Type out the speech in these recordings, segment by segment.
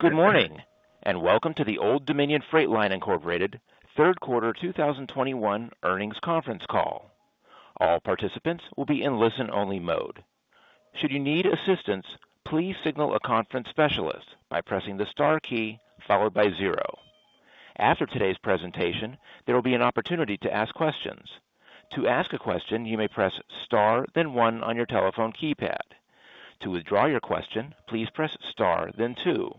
Good morning, and welcome to the Old Dominion Freight Line Incorporated third quarter 2021 earnings conference call. All participants will be in listen-only mode. Should you need assistance, please signal a conference specialist by pressing the star key followed by zero. After today's presentation, there will be an opportunity to ask questions. To ask a question, you may press star then one on your telephone keypad. To withdraw your question, please press star then two.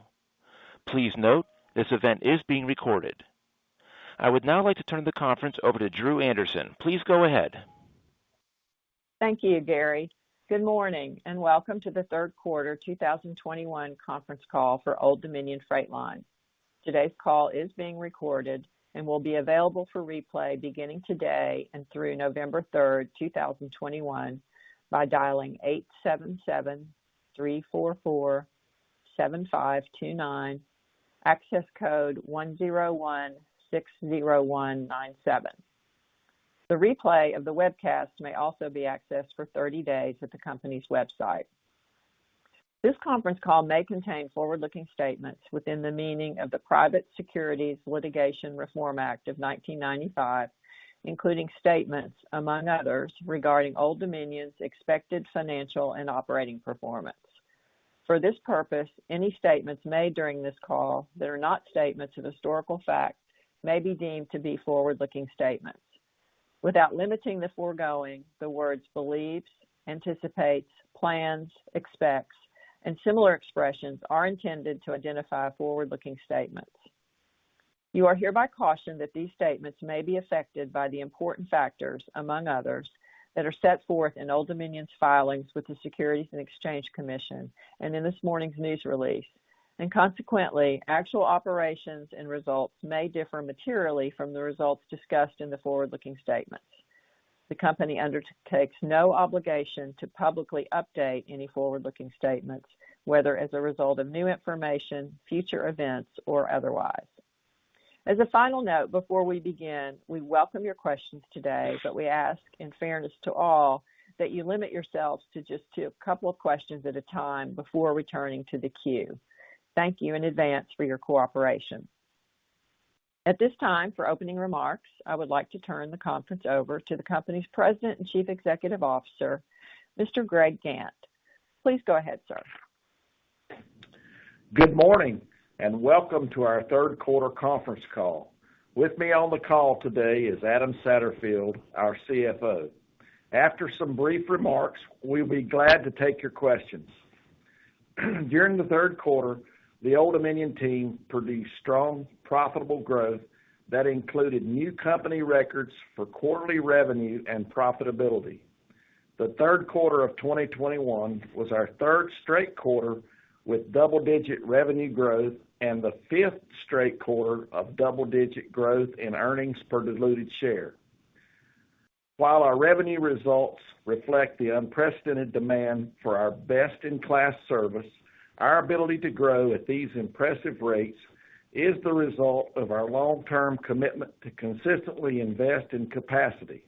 Please note, this event is being recorded. I would now like to turn the conference over to Drew Anderson. Please go ahead. Thank you, Gary. Good morning and welcome to the third quarter 2021 conference call for Old Dominion Freight Line. Today's call is being recorded and will be available for replay beginning today and through November 3, 2021 by dialing 877-344-7529, access code 10160197. The replay of the webcast may also be accessed for 30 days at the company's website. This conference call may contain forward-looking statements within the meaning of the Private Securities Litigation Reform Act of 1995, including statements among others regarding Old Dominion's expected financial and operating performance. For this purpose, any statements made during this call that are not statements of historical fact may be deemed to be forward-looking statements. Without limiting the foregoing, the words believes, anticipates, plans, expects, and similar expressions are intended to identify forward-looking statements. You are hereby cautioned that these statements may be affected by the important factors, among others, that are set forth in Old Dominion's filings with the Securities and Exchange Commission and in this morning's news release. Consequently, actual operations and results may differ materially from the results discussed in the forward-looking statements. The company undertakes no obligation to publicly update any forward-looking statements, whether as a result of new information, future events, or otherwise. As a final note, before we begin, we welcome your questions today, but we ask in fairness to all that you limit yourselves to just to a couple of questions at a time before returning to the queue. Thank you in advance for your cooperation. At this time, for opening remarks, I would like to turn the conference over to the company's President and Chief Executive Officer, Mr. Greg Gantt. Please go ahead, sir. Good morning and welcome to our third quarter conference call. With me on the call today is Adam Satterfield, our CFO. After some brief remarks, we'll be glad to take your questions. During the third quarter, the Old Dominion team produced strong, profitable growth that included new company records for quarterly revenue and profitability. The third quarter of 2021 was our third straight quarter with double-digit revenue growth and the fifth straight quarter of double-digit growth in earnings per diluted share. While our revenue results reflect the unprecedented demand for our best-in-class service, our ability to grow at these impressive rates is the result of our long-term commitment to consistently invest in capacity.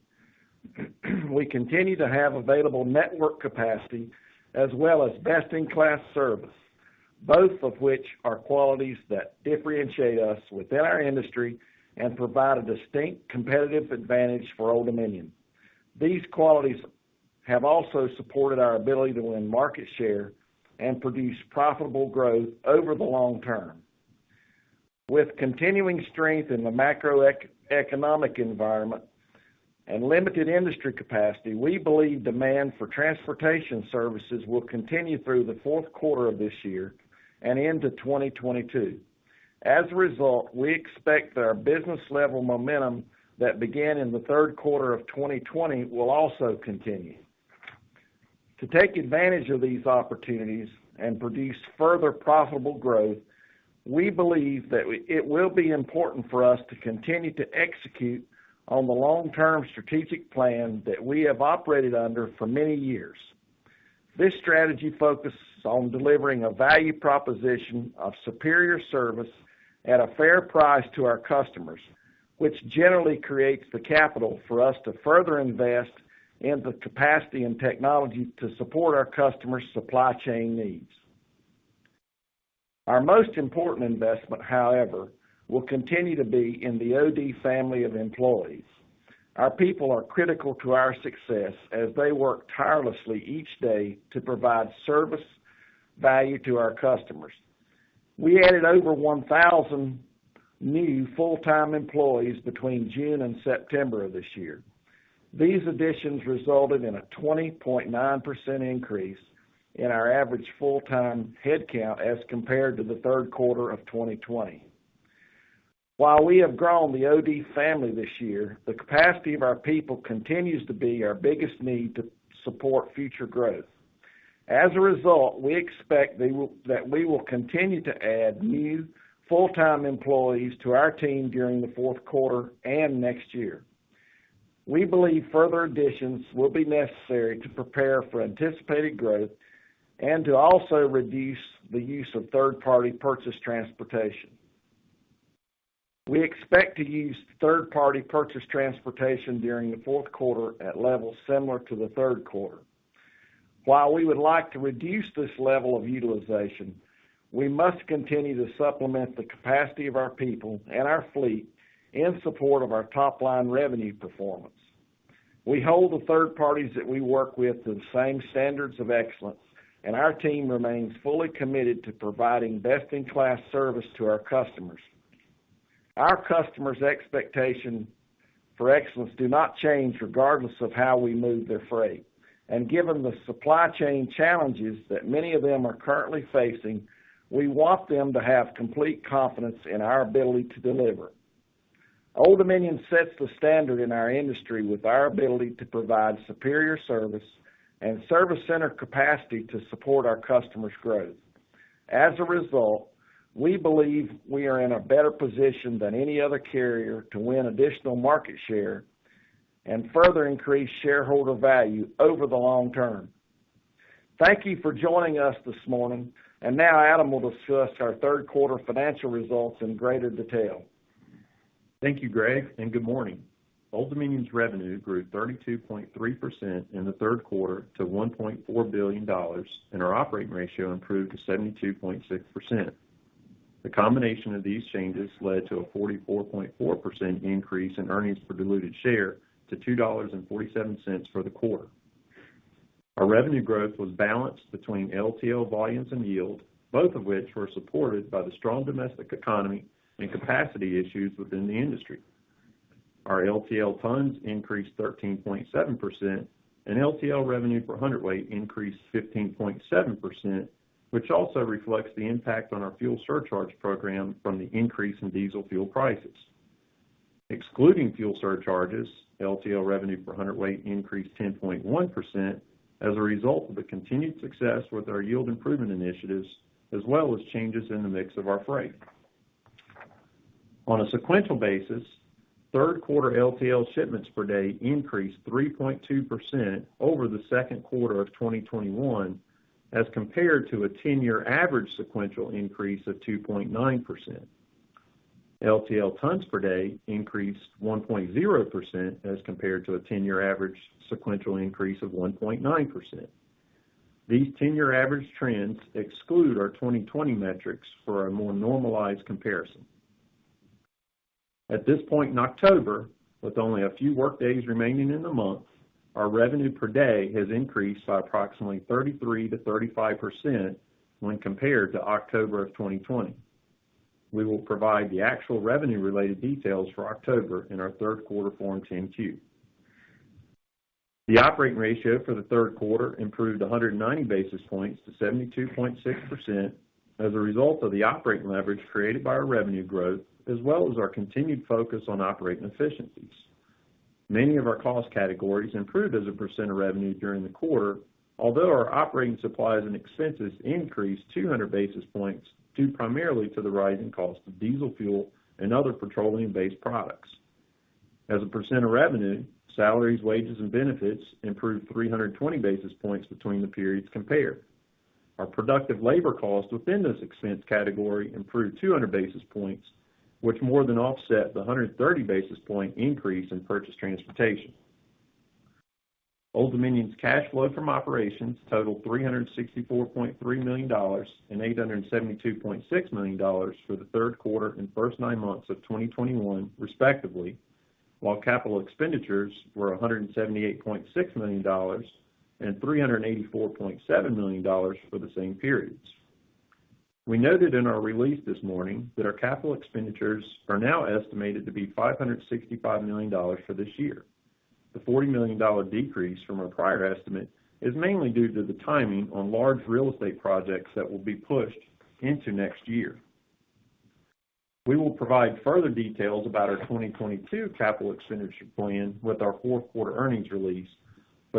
We continue to have available network capacity as well as best-in-class service, both of which are qualities that differentiate us within our industry and provide a distinct competitive advantage for Old Dominion. These qualities have also supported our ability to win market share and produce profitable growth over the long term. With continuing strength in the macroeconomic environment and limited industry capacity, we believe demand for transportation services will continue through the fourth quarter of this year and into 2022. As a result, we expect that our business level momentum that began in the third quarter of 2020 will also continue. To take advantage of these opportunities and produce further profitable growth, we believe that it will be important for us to continue to execute on the long-term strategic plan that we have operated under for many years. This strategy focuses on delivering a value proposition of superior service at a fair price to our customers, which generally creates the capital for us to further invest in the capacity and technology to support our customers' supply chain needs. Our most important investment, however, will continue to be in the OD family of employees. Our people are critical to our success as they work tirelessly each day to provide service value to our customers. We added over 1,000 new full-time employees between June and September of this year. These additions resulted in a 20.9% increase in our average full-time headcount as compared to the third quarter of 2020. While we have grown the OD family this year, the capacity of our people continues to be our biggest need to support future growth. As a result, we expect that we will continue to add new full-time employees to our team during the fourth quarter and next year. We believe further additions will be necessary to prepare for anticipated growth and to also reduce the use of third-party purchase transportation. We expect to use third-party purchase transportation during the fourth quarter at levels similar to the third quarter. While we would like to reduce this level of utilization, we must continue to supplement the capacity of our people and our fleet in support of our top line revenue performance. We hold the third parties that we work with to the same standards of excellence, and our team remains fully committed to providing best-in-class service to our customers. Our customers' expectation for excellence do not change regardless of how we move their freight. Given the supply chain challenges that many of them are currently facing, we want them to have complete confidence in our ability to deliver. Old Dominion sets the standard in our industry with our ability to provide superior service and service center capacity to support our customers' growth. As a result, we believe we are in a better position than any other carrier to win additional market share and further increase shareholder value over the long term. Thank you for joining us this morning. Now Adam will discuss our third quarter financial results in greater detail. Thank you, Greg, and good morning. Old Dominion's revenue grew 32.3% in the third quarter to $1.4 billion, and our operating ratio improved to 72.6%. The combination of these changes led to a 44.4% increase in earnings per diluted share to $2.47 for the quarter. Our revenue growth was balanced between LTL volumes and yield, both of which were supported by the strong domestic economy and capacity issues within the industry. Our LTL tons increased 13.7%, and LTL revenue per hundredweight increased 15.7%, which also reflects the impact on our fuel surcharge program from the increase in diesel fuel prices. Excluding fuel surcharges, LTL revenue per hundredweight increased 10.1% as a result of the continued success with our yield improvement initiatives, as well as changes in the mix of our freight. On a sequential basis, third quarter LTL shipments per day increased 3.2% over the second quarter of 2021, as compared to a ten-year average sequential increase of 2.9%. LTL tons per day increased 1.0% as compared to a ten-year average sequential increase of 1.9%. These ten-year average trends exclude our 2020 metrics for a more normalized comparison. At this point in October, with only a few workdays remaining in the month, our revenue per day has increased by approximately 33%-35% when compared to October of 2020. We will provide the actual revenue-related details for October in our third quarter Form 10-Q. The operating ratio for the third quarter improved 190 basis points to 72.6% as a result of the operating leverage created by our revenue growth, as well as our continued focus on operating efficiencies. Many of our cost categories improved as a percent of revenue during the quarter, although our operating supplies and expenses increased 200 basis points, due primarily to the rising cost of diesel fuel and other petroleum-based products. As a percent of revenue, salaries, wages, and benefits improved 320 basis points between the periods compared. Our productive labor costs within this expense category improved 200 basis points, which more than offset the 130 basis point increase in purchase transportation. Old Dominion's cash flow from operations totaled $364.3 million and $872.6 million for the third quarter and first nine months of 2021, respectively, while capital expenditures were $178.6 million and $384.7 million for the same periods. We noted in our release this morning that our capital expenditures are now estimated to be $565 million for this year. The $40 million decrease from our prior estimate is mainly due to the timing on large real estate projects that will be pushed into next year. We will provide further details about our 2022 capital expenditure plan with our fourth quarter earnings release.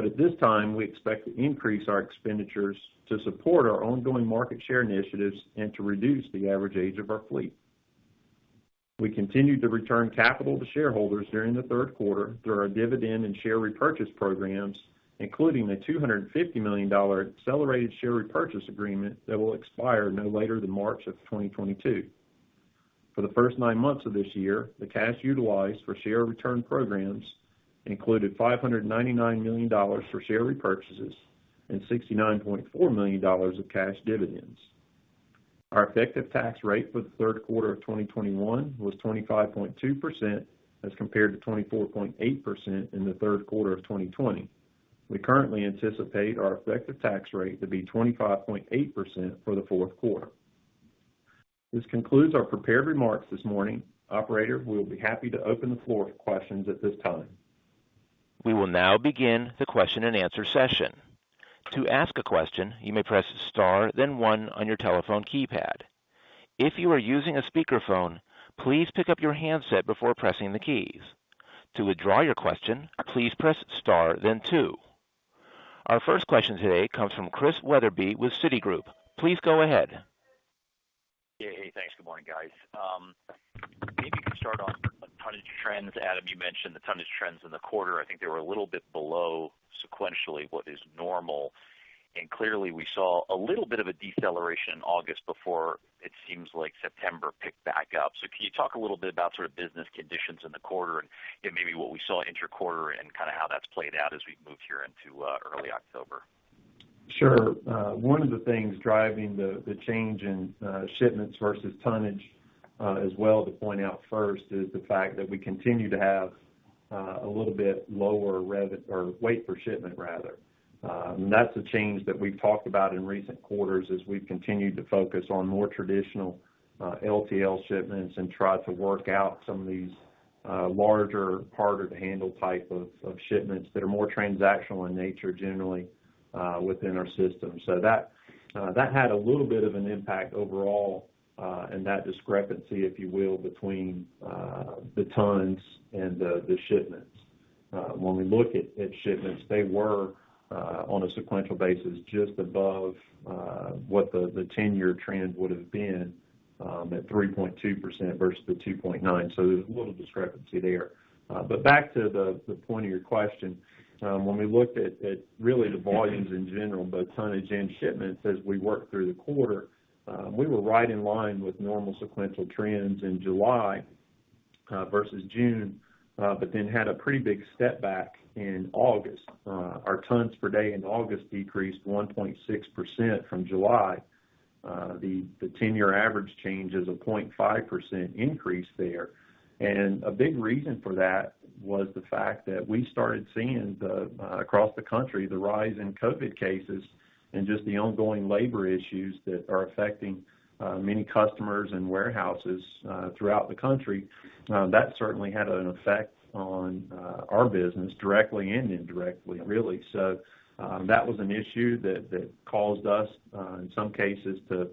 At this time, we expect to increase our expenditures to support our ongoing market share initiatives and to reduce the average age of our fleet. We continued to return capital to shareholders during the third quarter through our dividend and share repurchase programs, including the $250 million accelerated share repurchase agreement that will expire no later than March 2022. For the first nine months of this year, the cash utilized for share return programs included $599 million for share repurchases and $69.4 million of cash dividends. Our effective tax rate for the third quarter of 2021 was 25.2% as compared to 24.8% in the third quarter of 2020. We currently anticipate our effective tax rate to be 25.8% for the fourth quarter. This concludes our prepared remarks this morning. Operator, we'll be happy to open the floor for questions at this time. We will now begin the question and answer session. To ask a question, you may press star then one on your telephone keypad. If you are using a speakerphone, please pick up your handset before pressing the keys. To withdraw your question, please press star then two. Our first question today comes from Christian Wetherbee with Citigroup. Please go ahead. Yeah. Hey, thanks. Good morning, guys. Maybe you can start. Trends, Adam, you mentioned the tonnage trends in the quarter. I think they were a little bit below sequentially what is normal. Clearly, we saw a little bit of a deceleration in August before it seems like September picked back up. Can you talk a little bit about sort of business conditions in the quarter and maybe what we saw inter-quarter and kind of how that's played out as we move here into early October? Sure. One of the things driving the change in shipments versus tonnage, as well to point out first, is the fact that we continue to have a little bit lower weight per shipment rather. That's a change that we've talked about in recent quarters as we've continued to focus on more traditional LTL shipments and try to work out some of these larger, harder to handle type of shipments that are more transactional in nature, generally, within our system. That had a little bit of an impact overall in that discrepancy, if you will, between the tons and the shipments. When we look at shipments, they were on a sequential basis just above what the ten-year trend would have been at 3.2% versus the 2.9. There's a little discrepancy there. Back to the point of your question, when we looked at really the volumes in general, both tonnage and shipments, as we worked through the quarter, we were right in line with normal sequential trends in July versus June, but then had a pretty big step back in August. Our tons per day in August decreased 1.6% from July. The ten-year average change is a 0.5% increase there. A big reason for that was the fact that we started seeing across the country the rise in COVID cases and just the ongoing labor issues that are affecting many customers and warehouses throughout the country. That certainly had an effect on our business directly and indirectly, really. That was an issue that caused us in some cases to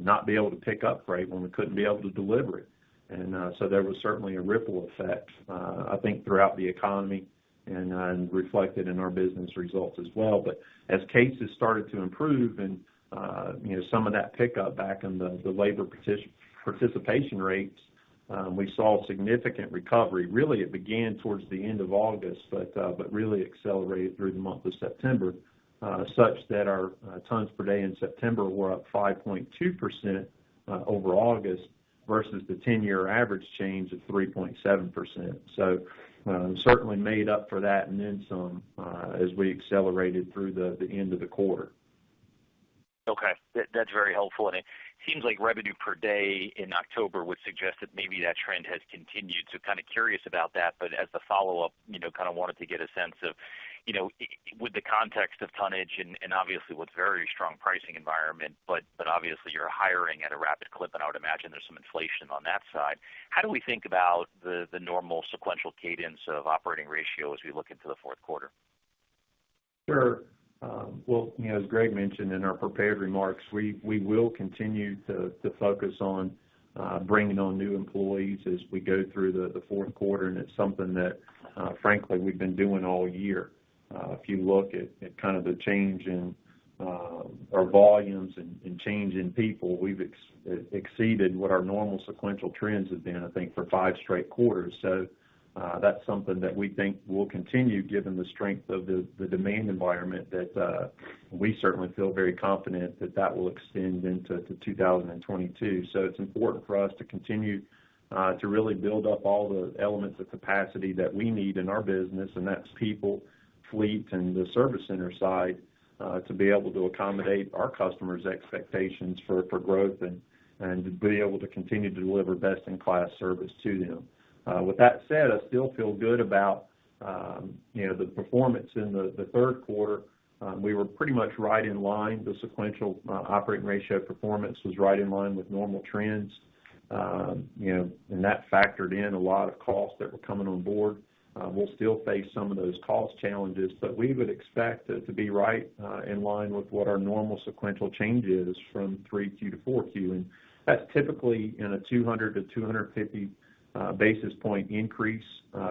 not be able to pick up freight when we couldn't be able to deliver it. There was certainly a ripple effect I think throughout the economy and reflected in our business results as well. As cases started to improve and you know some of that pickup back in the labor participation rates we saw significant recovery. Really, it began towards the end of August, but really accelerated through the month of September, such that our tons per day in September were up 5.2% over August versus the 10-year average change of 3.7%. So, certainly made up for that and then some, as we accelerated through the end of the quarter. Okay. That's very helpful. It seems like revenue per day in October would suggest that maybe that trend has continued, so kind of curious about that. As a follow-up, you know, kind of wanted to get a sense of, you know, with the context of tonnage and obviously with very strong pricing environment, but obviously you're hiring at a rapid clip, and I would imagine there's some inflation on that side. How do we think about the normal sequential cadence of operating ratio as we look into the fourth quarter? Sure. Well, you know, as Greg mentioned in our prepared remarks, we will continue to focus on bringing on new employees as we go through the fourth quarter, and it's something that, frankly, we've been doing all year. If you look at kind of the change in our volumes and change in people, we've exceeded what our normal sequential trends have been, I think, for 5 straight quarters. That's something that we think will continue given the strength of the demand environment that we certainly feel very confident that that will extend into 2022. It's important for us to continue to really build up all the elements of capacity that we need in our business, and that's people, fleet, and the service center side to be able to accommodate our customers' expectations for growth and to be able to continue to deliver best-in-class service to them. With that said, I still feel good about you know the performance in the third quarter. We were pretty much right in line. The sequential operating ratio performance was right in line with normal trends. You know, that factored in a lot of costs that were coming on board. We'll still face some of those cost challenges, but we would expect it to be right in line with what our normal sequential change is from 3Q to 4Q. That's typically in a 200-250 basis point increase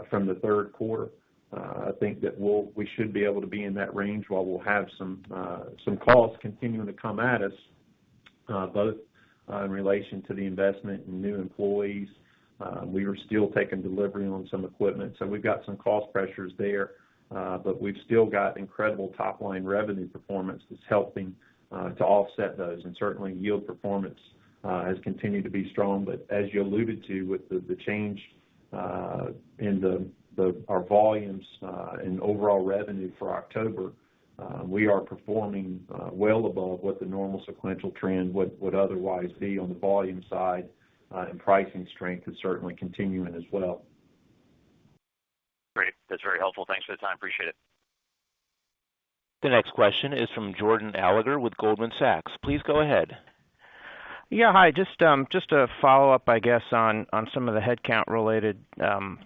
from the third quarter. I think that we should be able to be in that range while we'll have some costs continuing to come at us, both in relation to the investment in new employees. We are still taking delivery on some equipment, so we've got some cost pressures there. We've still got incredible top-line revenue performance that's helping to offset those, and certainly yield performance has continued to be strong. As you alluded to with the change in our volumes and overall revenue for October, we are performing well above what the normal sequential trend would otherwise be on the volume side, and pricing strength is certainly continuing as well. Great. That's very helpful. Thanks for the time. Appreciate it. The next question is from Jordan Alliger with Goldman Sachs. Please go ahead. Yeah. Hi. Just to follow up, I guess, on some of the headcount related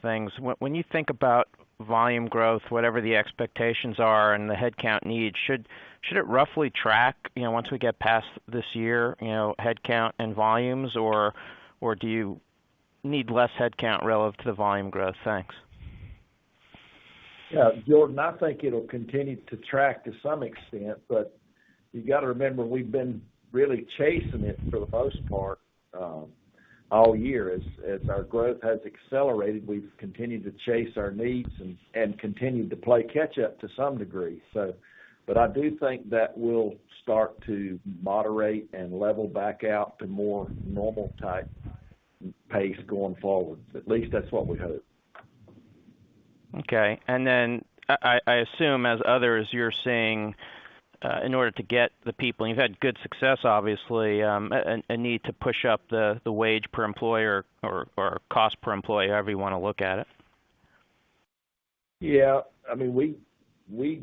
things. When you think about volume growth, whatever the expectations are and the headcount needs, should it roughly track, you know, once we get past this year, you know, headcount and volumes or do you need less headcount relative to volume growth? Thanks. Yeah, Jordan, I think it'll continue to track to some extent, but you got to remember, we've been really chasing it for the most part, all year. As our growth has accelerated, we've continued to chase our needs and continued to play catch up to some degree. I do think that we'll start to moderate and level back out to more normal type pace going forward. At least that's what we hope. Okay. I assume as others, you're seeing, in order to get the people, and you've had good success, obviously, a need to push up the wage per employee or cost per employee, however you want to look at it. Yeah, I mean, we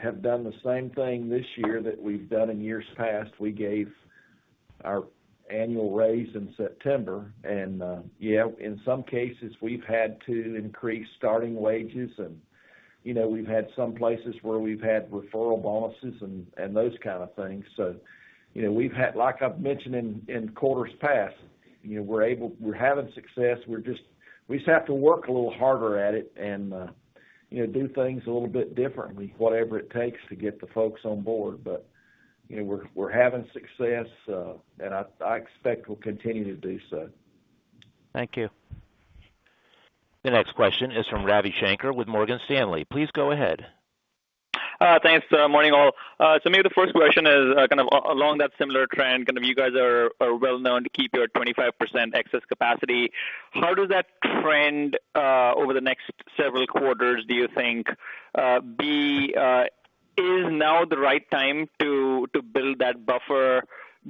have done the same thing this year that we've done in years past. We gave our annual raise in September. Yeah, in some cases, we've had to increase starting wages. You know, we've had some places where we've had referral bonuses and those kind of things. You know, like I've mentioned in quarters past, you know, we're having success. We just have to work a little harder at it and you know, do things a little bit differently, whatever it takes to get the folks on board. You know, we're having success and I expect we'll continue to do so. Thank you. The next question is from Ravi Shanker with Morgan Stanley. Please go ahead. Thanks. Morning all. Maybe the first question is kind of along that similar trend, kind of you guys are well known to keep your 25% excess capacity. How does that trend over the next several quarters, do you think? Is now the right time to build that buffer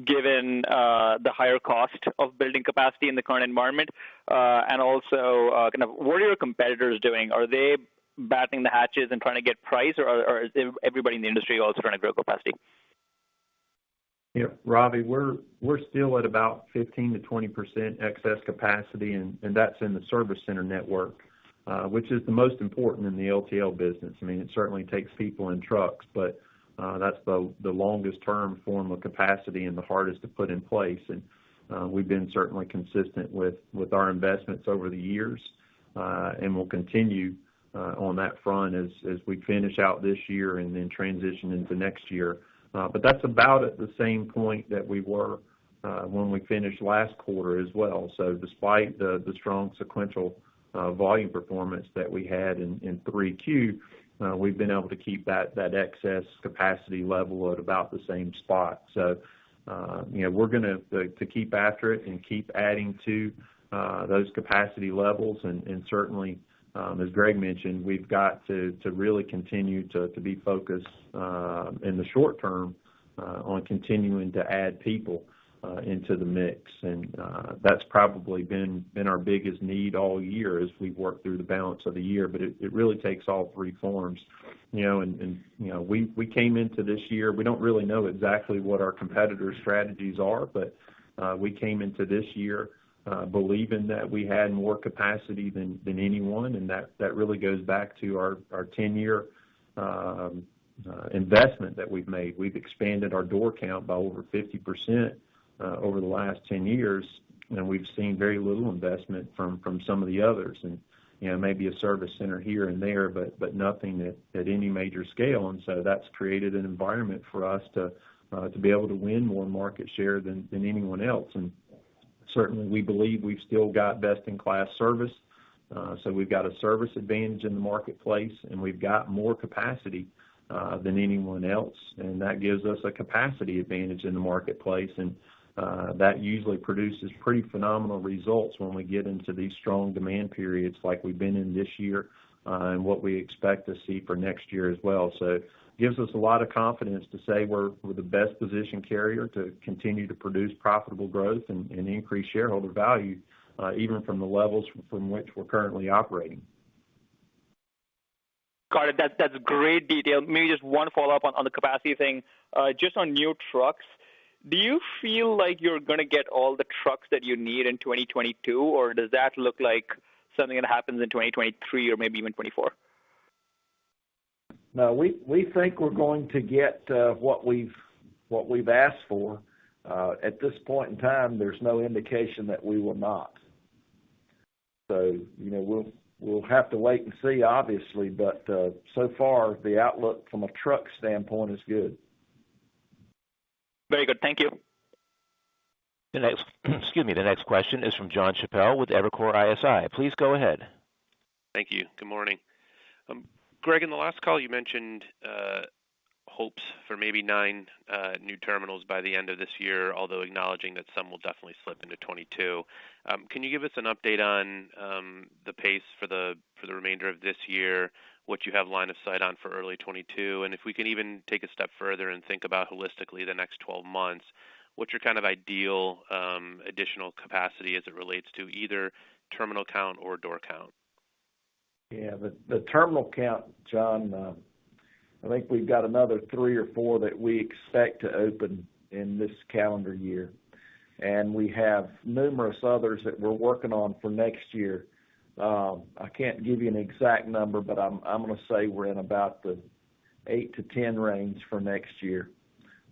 given the higher cost of building capacity in the current environment? What are your competitors doing? Are they batten down the hatches and trying to get price or is everybody in the industry also trying to grow capacity? Yeah, Ravi, we're still at about 15%-20% excess capacity, and that's in the service center network, which is the most important in the LTL business. I mean, it certainly takes people and trucks, but that's the longest term form of capacity and the hardest to put in place. We've been certainly consistent with our investments over the years, and we'll continue on that front as we finish out this year and then transition into next year. But that's about at the same point that we were when we finished last quarter as well. Despite the strong sequential volume performance that we had in 3Q, we've been able to keep that excess capacity level at about the same spot. you know, we're going to keep after it and keep adding to those capacity levels. Certainly, as Greg mentioned, we've got to really continue to be focused in the short term on continuing to add people into the mix. That's probably been our biggest need all year as we work through the balance of the year. It really takes all three forms, you know. You know, we came into this year, we don't really know exactly what our competitors' strategies are, but we came into this year believing that we had more capacity than anyone, and that really goes back to our 10-year investment that we've made. We've expanded our door count by over 50%, over the last 10 years, and we've seen very little investment from some of the others. You know, maybe a service center here and there, but nothing at any major scale. That's created an environment for us to be able to win more market share than anyone else. Certainly, we believe we've still got best in class service. We've got a service advantage in the marketplace, and we've got more capacity than anyone else. That gives us a capacity advantage in the marketplace. That usually produces pretty phenomenal results when we get into these strong demand periods like we've been in this year, and what we expect to see for next year as well. It gives us a lot of confidence to say we're the best positioned carrier to continue to produce profitable growth and increase shareholder value, even from the levels from which we're currently operating. Got it. That's great detail. Maybe just one follow-up on the capacity thing. Just on new trucks, do you feel like you're gonna get all the trucks that you need in 2022, or does that look like something that happens in 2023 or maybe even 2024? No, we think we're going to get what we've asked for. At this point in time, there's no indication that we will not. You know, we'll have to wait and see obviously, but so far the outlook from a truck standpoint is good. Very good. Thank you. The next question is from Jonathan Chappell with Evercore ISI. Please go ahead. Thank you. Good morning. Greg, in the last call, you mentioned hopes for maybe 9 new terminals by the end of this year, although acknowledging that some will definitely slip into 2022. Can you give us an update on the pace for the remainder of this year, what you have line of sight on for early 2022? If we can even take a step further and think about holistically the next 12 months, what's your kind of ideal additional capacity as it relates to either terminal count or door count? Yeah. The terminal count, John, I think we've got another 3 or 4 that we expect to open in this calendar year, and we have numerous others that we're working on for next year. I can't give you an exact number, but I'm gonna say we're in about the 8-10 range for next year,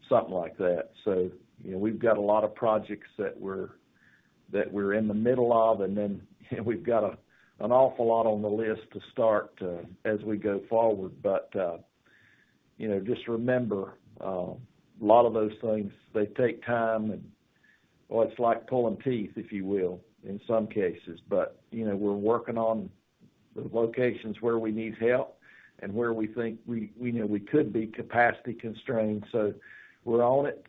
something like that. You know, we've got a lot of projects that we're in the middle of, and then we've got an awful lot on the list to start as we go forward. You know, just remember a lot of those things, they take time, and well, it's like pulling teeth, if you will, in some cases. You know, we're working on the locations where we need help and where we think we know we could be capacity constrained. We're on it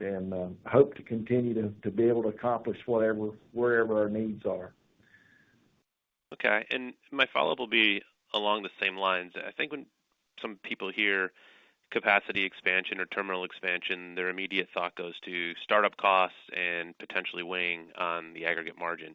and hope to continue to be able to accomplish wherever our needs are. Okay. My follow-up will be along the same lines. I think when some people hear capacity expansion or terminal expansion, their immediate thought goes to start-up costs and potentially weighing on the aggregate margin.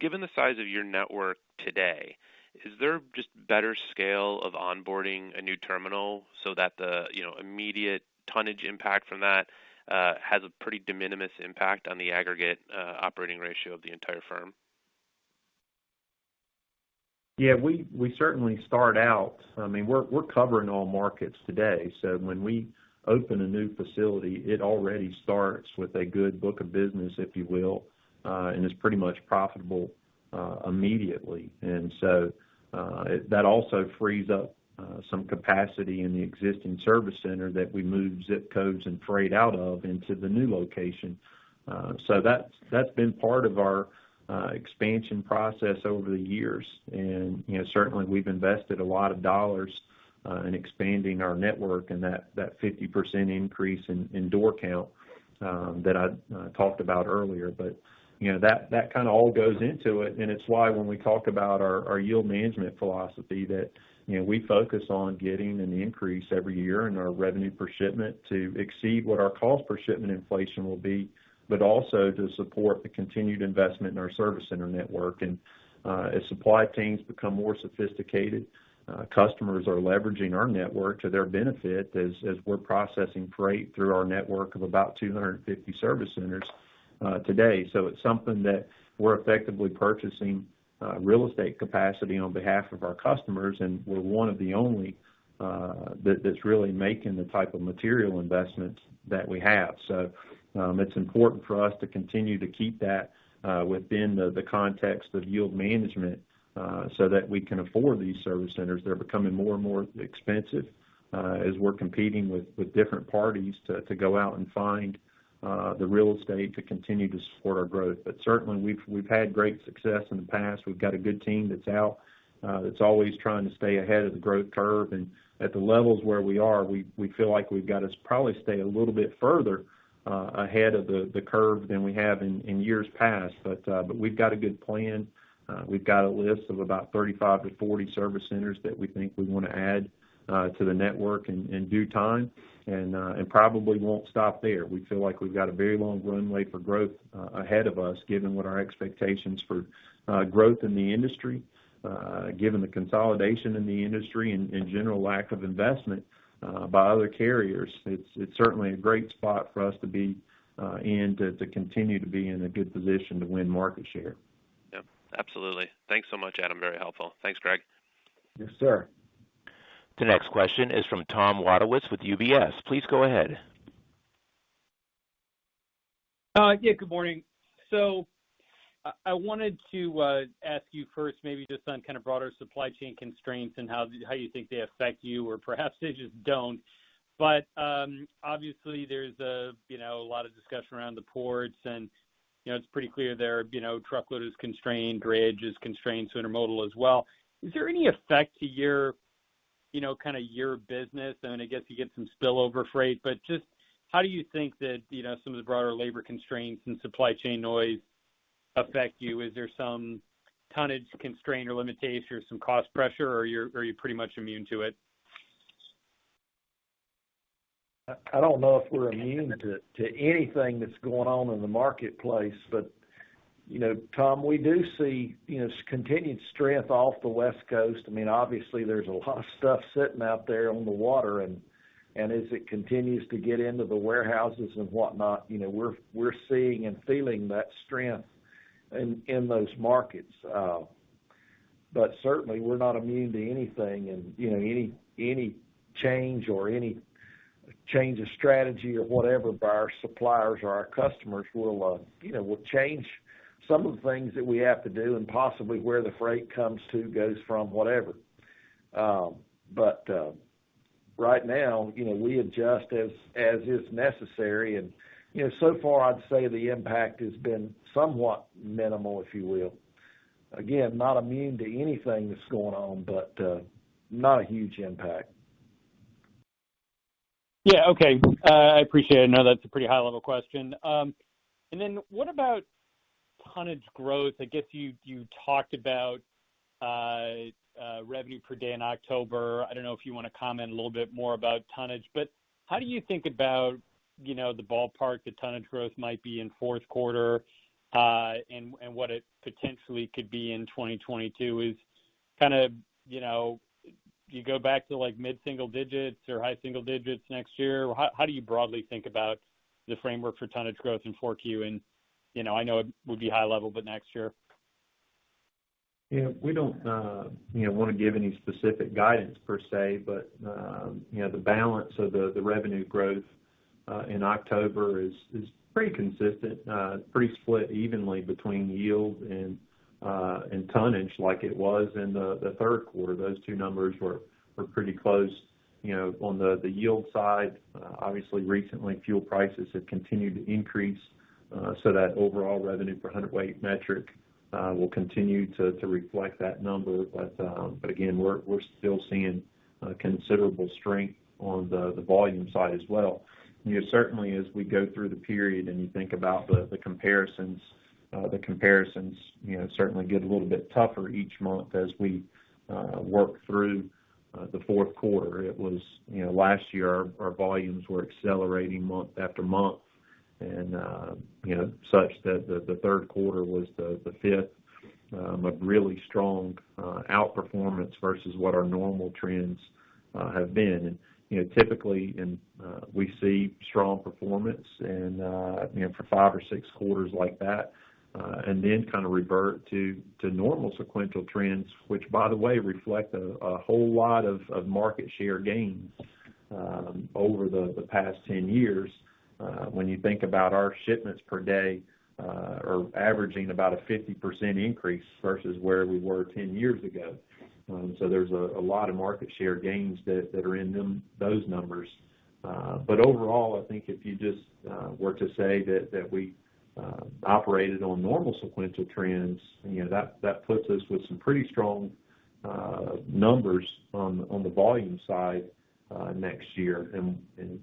Given the size of your network today, is there just better scale of onboarding a new terminal so that the, you know, immediate tonnage impact from that has a pretty de minimis impact on the aggregate operating ratio of the entire firm? I mean, we're covering all markets today. When we open a new facility, it already starts with a good book of business, if you will, and it's pretty much profitable immediately. That also frees up some capacity in the existing service center that we move ZIP codes and freight out of into the new location. That's been part of our expansion process over the years. You know, certainly we've invested a lot of dollars in expanding our network and that 50% increase in door count that I talked about earlier. You know, that kinda all goes into it, and it's why when we talk about our yield management philosophy that, you know, we focus on getting an increase every year in our revenue per shipment to exceed what our cost per shipment inflation will be, but also to support the continued investment in our service center network. As supply chains become more sophisticated, customers are leveraging our network to their benefit as we're processing freight through our network of about 250 service centers today. It's something that we're effectively purchasing real estate capacity on behalf of our customers, and we're one of the only that's really making the type of material investments that we have. It's important for us to continue to keep that within the context of yield management so that we can afford these service centers. They're becoming more and more expensive as we're competing with different parties to go out and find the real estate to continue to support our growth. Certainly, we've had great success in the past. We've got a good team that's out that's always trying to stay ahead of the growth curve. At the levels where we are, we feel like we've got to probably stay a little bit further ahead of the curve than we have in years past. We've got a good plan. We've got a list of about 35-40 service centers that we think we wanna add to the network in due time, and probably won't stop there. We feel like we've got a very long runway for growth ahead of us, given our expectations for growth in the industry, given the consolidation in the industry and general lack of investment by other carriers. It's certainly a great spot for us to be in to continue to be in a good position to win market share. Yep, absolutely. Thanks so much, Adam. Very helpful. Thanks, Greg. Yes, sir. The next question is from Tom Wadewitz with UBS. Please go ahead. Yeah, good morning. I wanted to ask you first maybe just on kind of broader supply chain constraints and how you think they affect you, or perhaps they just don't. Obviously, there's a, you know, a lot of discussion around the ports and, you know, it's pretty clear there, you know, truckload is constrained, bridge is constrained, intermodal as well. Is there any effect to your, you know, kinda your business? I mean, I guess you get some spillover freight, but just how do you think that, you know, some of the broader labor constraints and supply chain noise affect you? Is there some tonnage constraint or limitations or some cost pressure, or are you pretty much immune to it? I don't know if we're immune to anything that's going on in the marketplace. You know, Tom, we do see continued strength off the West Coast. I mean, obviously there's a lot of stuff sitting out there on the water. As it continues to get into the warehouses and whatnot, you know, we're seeing and feeling that strength in those markets. Certainly, we're not immune to anything and, you know, any change of strategy or whatever by our suppliers or our customers will change some of the things that we have to do and possibly where the freight comes to, goes from, whatever. Right now, you know, we adjust as is necessary. You know, so far I'd say the impact has been somewhat minimal, if you will. Again, not immune to anything that's going on, but not a huge impact. Yeah. Okay. I appreciate it. I know that's a pretty high level question. What about tonnage growth? I guess you talked about revenue per day in October. I don't know if you wanna comment a little bit more about tonnage. But how do you think about, you know, the ballpark that tonnage growth might be in fourth quarter, and what it potentially could be in 2022 is kind of, you know, you go back to like mid-single digits or high single digits next year. How do you broadly think about the framework for tonnage growth in 4Q? You know, I know it would be high level, but next year. Yeah, we don't, you know, wanna give any specific guidance per se, but, you know, the balance of the revenue growth in October is pretty consistent, pretty split evenly between yield and tonnage like it was in the third quarter. Those two numbers were pretty close. You know, on the yield side, obviously recently, fuel prices have continued to increase, so that overall revenue per hundredweight metric will continue to reflect that number. But again, we're still seeing considerable strength on the volume side as well. You know, certainly as we go through the period and you think about the comparisons, you know, certainly get a little bit tougher each month as we work through the fourth quarter. You know, last year our volumes were accelerating month after month and you know such that the third quarter was the fifth of really strong outperformance versus what our normal trends have been. You know, typically we see strong performance and you know for five or six quarters like that and then kinda revert to normal sequential trends, which by the way reflect a whole lot of market share gains over the past 10 years when you think about our shipments per day are averaging about a 50% increase versus where we were 10 years ago. There's a lot of market share gains that are in them, those numbers. Overall, I think if you just were to say that we operated on normal sequential trends, you know, that puts us with some pretty strong numbers on the volume side next year.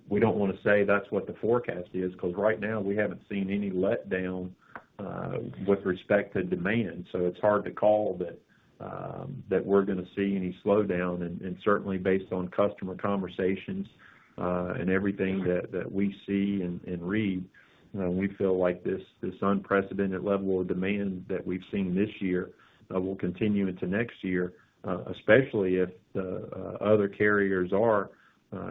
We don't wanna say that's what the forecast is, 'cause right now, we haven't seen any letdown with respect to demand. It's hard to call that we're gonna see any slowdown. Certainly based on customer conversations and everything that we see and read, we feel like this unprecedented level of demand that we've seen this year will continue into next year, especially if the other carriers are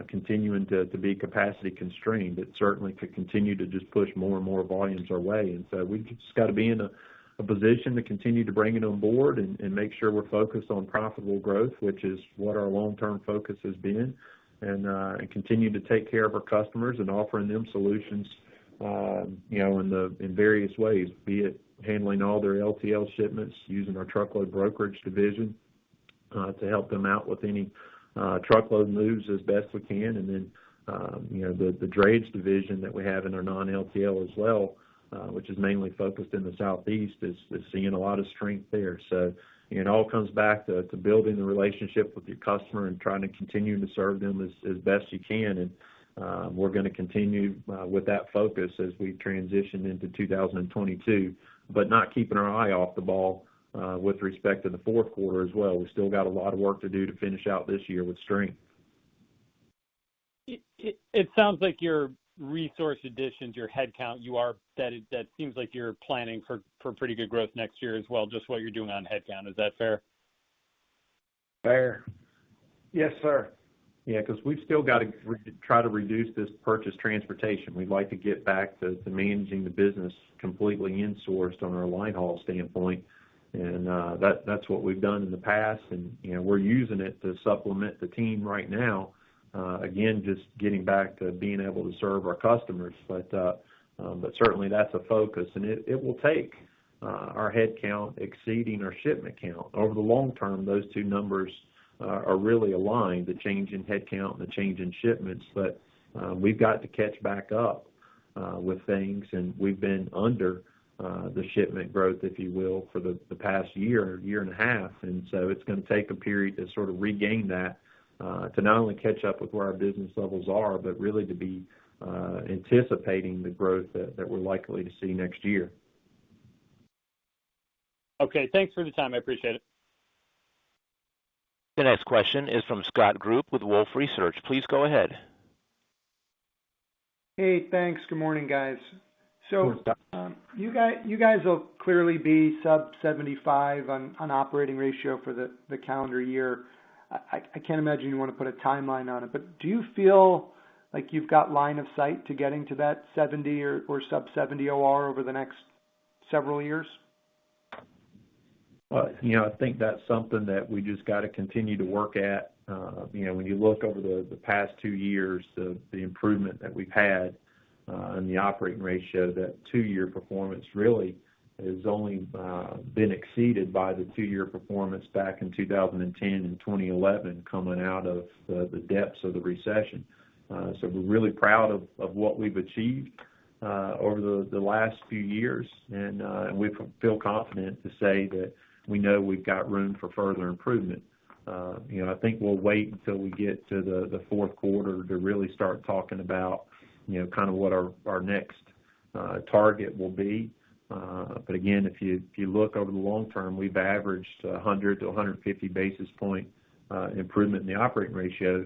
continuing to be capacity constrained. It certainly could continue to just push more and more volumes our way. We just gotta be in a position to continue to bring it on board and make sure we're focused on profitable growth, which is what our long-term focus has been. Continue to take care of our customers and offering them solutions, you know, in various ways, be it handling all their LTL shipments, using our truckload brokerage division, to help them out with any truckload moves as best we can. The drayage division that we have in our non-LTL as well, which is mainly focused in the Southeast, is seeing a lot of strength there. It all comes back to building the relationship with your customer and trying to continue to serve them as best you can. We're gonna continue with that focus as we transition into 2022, but not keeping our eye off the ball with respect to the fourth quarter as well. We still got a lot of work to do to finish out this year with strength. It sounds like your resource additions, your headcount. That seems like you're planning for pretty good growth next year as well, just what you're doing on headcount. Is that fair? Fair. Yes, sir. Yeah, 'cause we've still gotta try to reduce this purchase transportation. We'd like to get back to managing the business completely insourced on our line haul standpoint. That's what we've done in the past. You know, we're using it to supplement the team right now, again, just getting back to being able to serve our customers. Certainly, that's a focus, and it will take our headcount exceeding our shipment count. Over the long term, those two numbers are really aligned, the change in headcount and the change in shipments. We've got to catch back up with things, and we've been under the shipment growth, if you will, for the past year and a half. It's gonna take a period to sort of regain that, to not only catch up with where our business levels are, but really to be anticipating the growth that we're likely to see next year. Okay. Thanks for the time. I appreciate it. The next question is from Scott Group with Wolfe Research. Please go ahead. Hey, thanks. Good morning, guys. Good morning, Scott. You guys will clearly be sub 75 on operating ratio for the calendar year. I can't imagine you wanna put a timeline on it, but do you feel like you've got line of sight to getting to that 70 or sub 70 OR over the next several years? Well, you know, I think that's something that we just gotta continue to work at. You know, when you look over the past two years, the improvement that we've had in the operating ratio, that two-year performance really has only been exceeded by the two-year performance back in 2010 and 2011 coming out of the depths of the recession. We're really proud of what we've achieved over the last few years, and we feel confident to say that we know we've got room for further improvement. You know, I think we'll wait until we get to the fourth quarter to really start talking about, you know, kind of what our next target will be. Again, if you look over the long term, we've averaged 100-150 basis points improvement in the operating ratio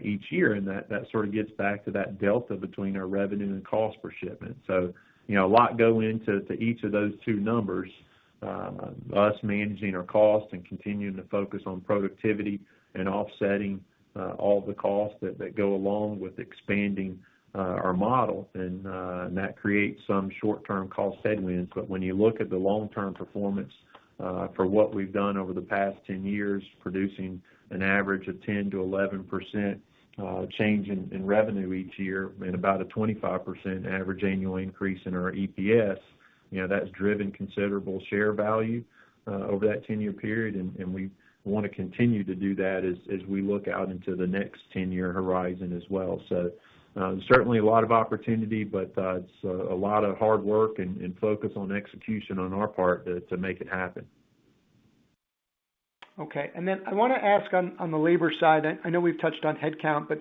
each year, and that sort of gets back to that delta between our revenue and cost per shipment. You know, a lot goes into each of those two numbers. us managing our costs and continuing to focus on productivity and offsetting all the costs that go along with expanding our model and that creates some short-term cost headwinds. When you look at the long-term performance for what we've done over the past 10 years, producing an average of 10%-11% change in revenue each year and about a 25% average annual increase in our EPS, you know, that's driven considerable share value over that 10-year period, and we wanna continue to do that as we look out into the next 10-year horizon as well. Certainly a lot of opportunity, but it's a lot of hard work and focus on execution on our part to make it happen. Okay. I wanna ask on the labor side. I know we've touched on headcount, but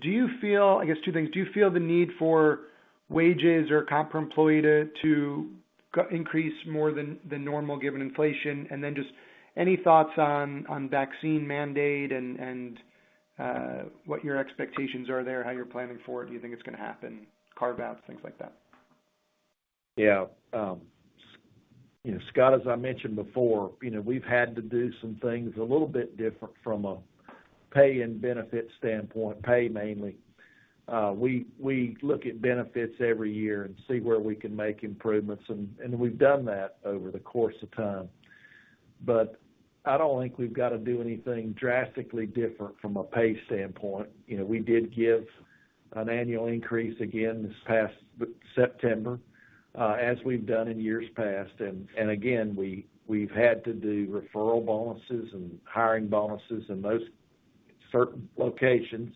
do you feel the need, I guess two things, for wages or comp per employee to increase more than the normal given inflation? Just any thoughts on vaccine mandate and what your expectations are there, how you're planning for it. Do you think it's gonna happen, carve outs, things like that. Yeah. You know, Scott, as I mentioned before, you know, we've had to do some things a little bit different from a pay and benefit standpoint, pay mainly. We look at benefits every year and see where we can make improvements, and we've done that over the course of time. I don't think we've got to do anything drastically different from a pay standpoint. You know, we did give an annual increase again this past September, as we've done in years past. Again, we've had to do referral bonuses and hiring bonuses in most certain locations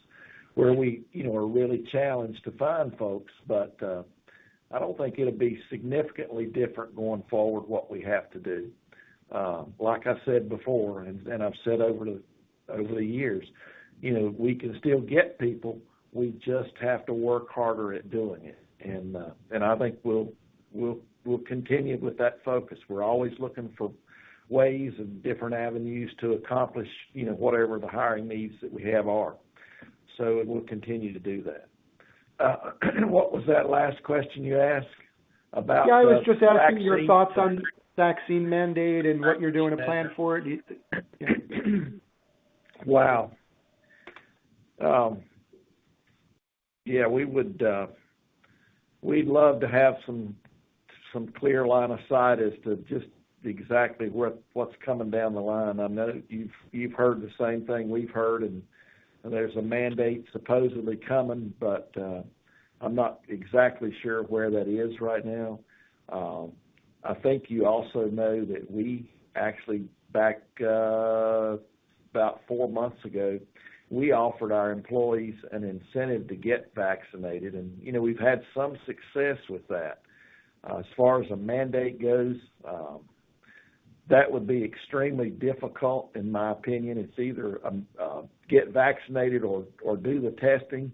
where we, you know, are really challenged to find folks. I don't think it'll be significantly different going forward, what we have to do. Like I said before, and I've said over the years, you know, we can still get people. We just have to work harder at doing it. I think we'll continue with that focus. We're always looking for ways and different avenues to accomplish, you know, whatever the hiring needs that we have are. We'll continue to do that. What was that last question you asked about the vaccine? Yeah, I was just asking your thoughts on vaccine mandate and what you're doing to plan for it. Wow. Yeah, we would, we'd love to have some clear line of sight as to just exactly what's coming down the line. I know you've heard the same thing we've heard, and there's a mandate supposedly coming, but I'm not exactly sure where that is right now. I think you also know that we actually back about four months ago, we offered our employees an incentive to get vaccinated. You know, we've had some success with that. As far as a mandate goes, that would be extremely difficult in my opinion. It's either get vaccinated or do the testing.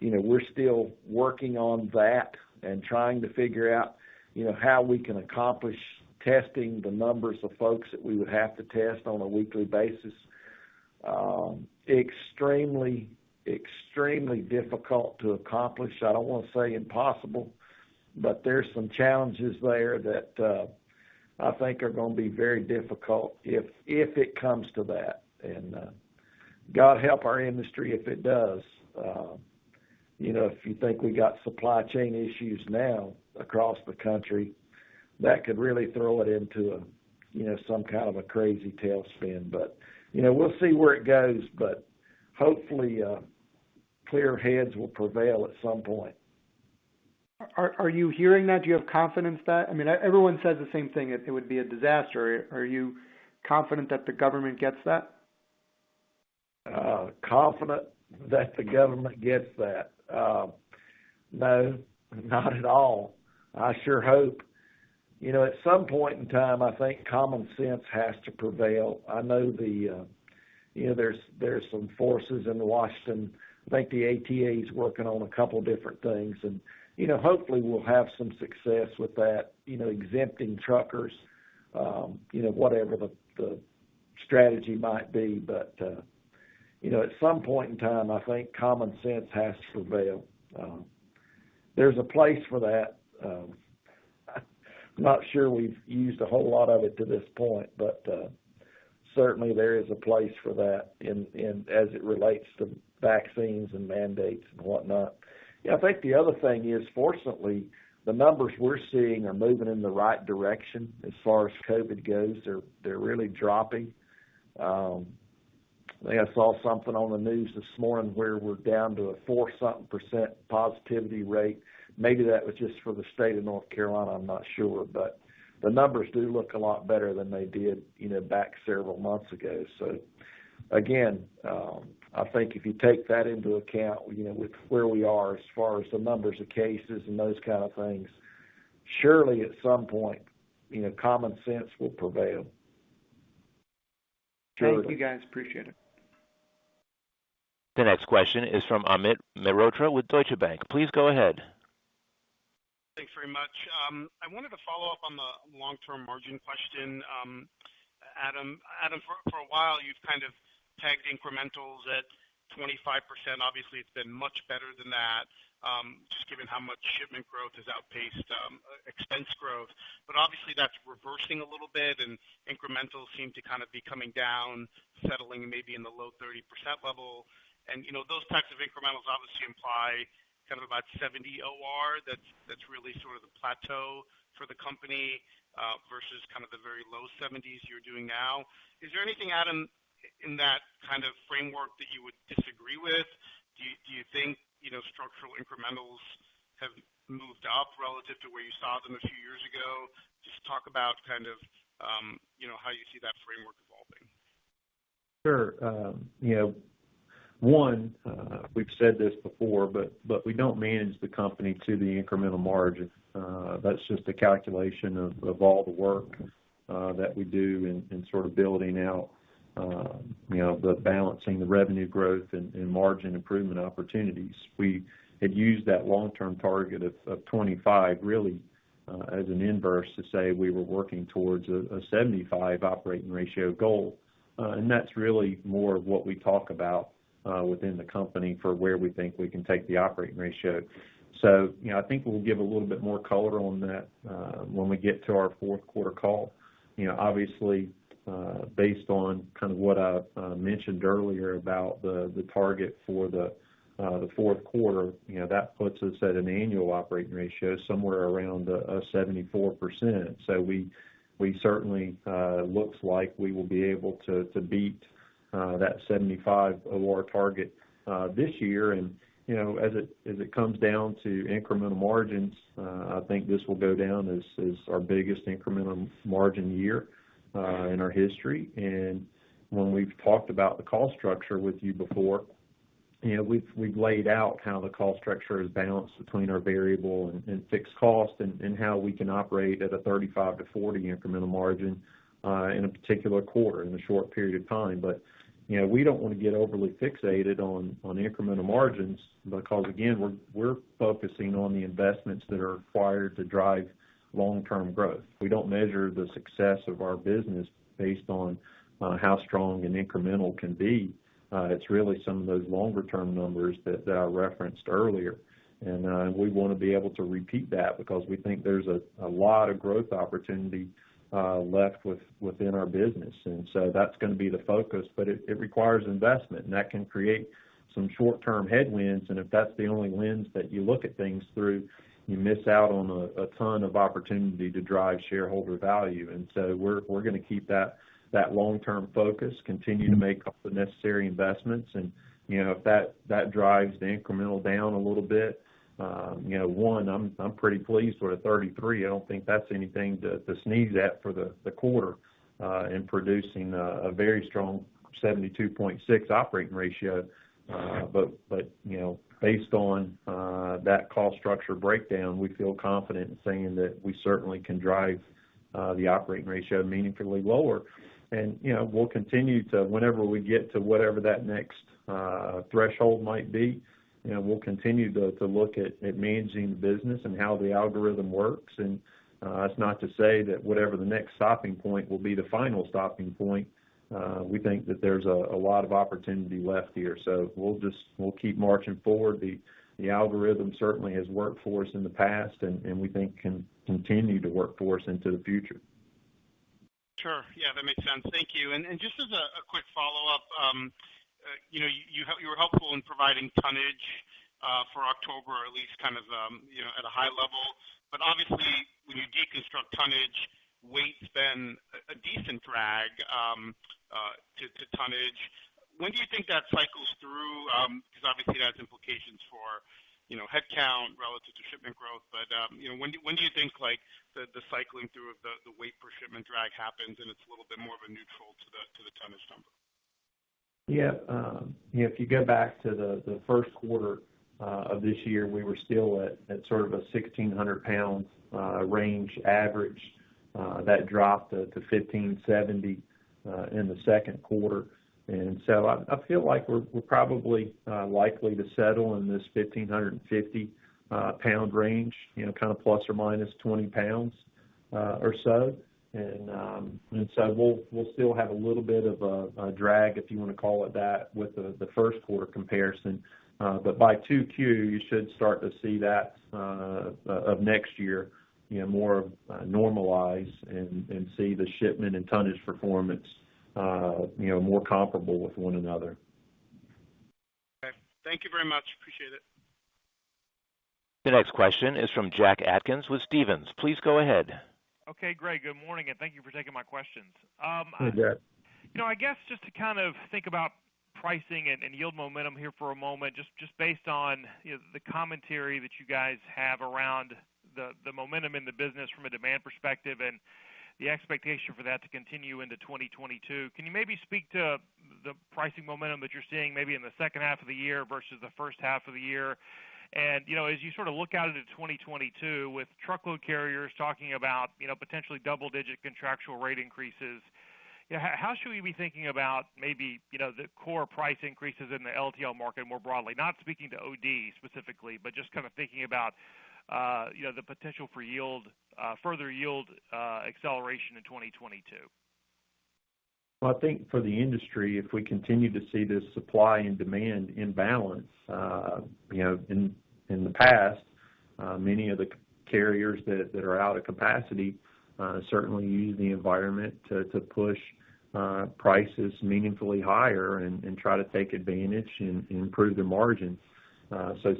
You know, we're still working on that and trying to figure out, you know, how we can accomplish testing the numbers of folks that we would have to test on a weekly basis. Extremely difficult to accomplish. I don't wanna say impossible, but there's some challenges there that I think are gonna be very difficult if it comes to that. God help our industry if it does. You know, if you think we got supply chain issues now across the country, that could really throw it into a you know, some kind of a crazy tailspin. You know, we'll see where it goes, but hopefully clear heads will prevail at some point. Are you hearing that? Do you have confidence that I mean, everyone says the same thing, it would be a disaster. Are you confident that the government gets that? Confident that the government gets that? No, not at all. I sure hope. You know, at some point in time, I think common sense has to prevail. I know the, you know, there's some forces in Washington. I think the ATA is working on a couple different things, and, you know, hopefully we'll have some success with that, you know, exempting truckers, you know, whatever the strategy might be. But, you know, at some point in time, I think common sense has to prevail. There's a place for that. I'm not sure we've used a whole lot of it to this point, but certainly there is a place for that in as it relates to vaccines and mandates and whatnot. Yeah. I think the other thing is, fortunately, the numbers we're seeing are moving in the right direction as far as COVID goes. They're really dropping. I think I saw something on the news this morning where we're down to a four something% positivity rate. Maybe that was just for the state of North Carolina. I'm not sure. The numbers do look a lot better than they did, you know, back several months ago. Again, I think if you take that into account, you know, with where we are as far as the numbers of cases and those kind of things, surely at some point, you know, common sense will prevail. Surely. Thank you, guys. Appreciate it. The next question is from Amit Mehrotra with Deutsche Bank. Please go ahead. Thanks very much. I wanted to follow up on the long-term margin question. Adam, for a while, you've kind of tagged incrementals at 25%. Obviously, it's been much better than that, just given how much shipment growth has outpaced expense growth. But obviously that's reversing a little bit, and incrementals seem to kind of be coming down, settling maybe in the low 30% level. You know, those types of incrementals obviously imply kind of about 70 OR. That's really sort of the plateau for the company versus kind of the very low 70s you're doing now. Is there anything, Adam, in that kind of framework that you would disagree with? Do you think, you know, structural incrementals have moved up relative to where you saw them a few years ago? Just talk about kind of, you know, how you see that framework evolving. Sure. You know, one, we've said this before, but we don't manage the company to the incremental margin. That's just a calculation of all the work that we do in sort of building out, you know, balancing the revenue growth and margin improvement opportunities. We had used that long-term target of 25 really as an inverse to say we were working towards a 75 operating ratio goal. That's really more of what we talk about within the company for where we think we can take the operating ratio. You know, I think we'll give a little bit more color on that when we get to our fourth quarter call. You know, obviously, based on kind of what I mentioned earlier about the target for the fourth quarter, you know, that puts us at an annual operating ratio somewhere around 74%. We certainly looks like we will be able to beat that 75 OR target this year. You know, as it comes down to incremental margins, I think this will go down as our biggest incremental margin year in our history. When we've talked about the cost structure with you before, you know, we've laid out how the cost structure is balanced between our variable and fixed costs and how we can operate at a 35%-40% incremental margin in a particular quarter in a short period of time. You know, we don't want to get overly fixated on incremental margins, because again, we're focusing on the investments that are required to drive long-term growth. We don't measure the success of our business based on how strong an incremental can be. It's really some of those longer term numbers that I referenced earlier. We wanna be able to repeat that because we think there's a lot of growth opportunity left within our business. That's gonna be the focus. It requires investment, and that can create some short-term headwinds, and if that's the only lens that you look at things through, you miss out on a ton of opportunity to drive shareholder value. We're gonna keep that long-term focus, continue to make the necessary investments. You know, if that drives the incremental down a little bit, you know, I'm pretty pleased with 33. I don't think that's anything to sneeze at for the quarter in producing a very strong 72.6 operating ratio. You know, based on that cost structure breakdown, we feel confident in saying that we certainly can drive the operating ratio meaningfully lower. You know, we'll continue to, whenever we get to whatever that next threshold might be, you know, we'll continue to look at managing the business and how the algorithm works. That's not to say that whatever the next stopping point will be the final stopping point. We think that there's a lot of opportunity left here. We'll just keep marching forward. The algorithm certainly has worked for us in the past and we think can continue to work for us into the future. Sure. Yeah, that makes sense. Thank you. Just as a quick follow-up, you know, you were helpful in providing tonnage for October, or at least kind of, you know, at a high level. Obviously, when you deconstruct tonnage, weight's been a decent drag to tonnage. When do you think that cycles through? Because obviously it has implications for, you know, headcount relative to shipment growth. You know, when do you think, like, the cycling through of the weight per shipment drag happens and it's a little bit more of a neutral to the tonnage number? Yeah. You know, if you go back to the first quarter of this year, we were still at sort of a 1,600-pound range average. That dropped to 1,570 in the second quarter. I feel like we're probably likely to settle in this 1,550-pound range, you know, kind of plus or minus 20 pounds or so. We'll still have a little bit of a drag, if you wanna call it that, with the first quarter comparison. By 2Q of next year, you should start to see that more normalize and see the shipment and tonnage performance, you know, more comparable with one another. Okay. Thank you very much. Appreciate it. The next question is from Jack Atkins with Stephens. Please go ahead. Okay, Greg, good morning, and thank you for taking my questions. Hey, Jack. You know, I guess just to kind of think about pricing and yield momentum here for a moment, just based on, you know, the commentary that you guys have around the momentum in the business from a demand perspective and the expectation for that to continue into 2022, can you maybe speak to the pricing momentum that you're seeing maybe in the second half of the year versus the first half of the year? You know, as you sort of look out into 2022 with truckload carriers talking about, you know, potentially double-digit contractual rate increases, how should we be thinking about maybe, you know, the core price increases in the LTL market more broadly? Not speaking to OD specifically, but just kind of thinking about, you know, the potential for further yield acceleration in 2022. Well, I think for the industry, if we continue to see this supply and demand imbalance, you know, in the past, many of the carriers that are out of capacity certainly use the environment to push prices meaningfully higher and try to take advantage and improve their margins.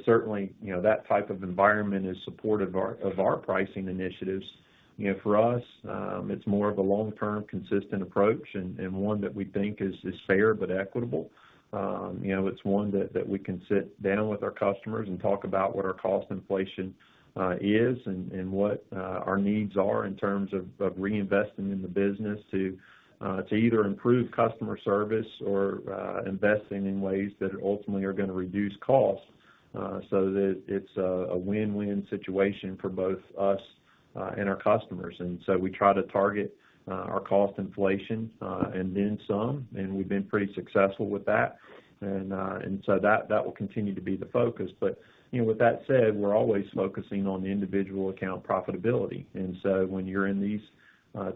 Certainly, you know, that type of environment is supportive of our pricing initiatives. You know, for us, it's more of a long-term consistent approach and one that we think is fair but equitable. You know, it's one that we can sit down with our customers and talk about what our cost inflation is and what our needs are in terms of reinvesting in the business to either improve customer service or investing in ways that ultimately are gonna reduce costs so that it's a win-win situation for both us and our customers. We try to target our cost inflation and then some, and we've been pretty successful with that. That will continue to be the focus. You know, with that said, we're always focusing on the individual account profitability. When you're in these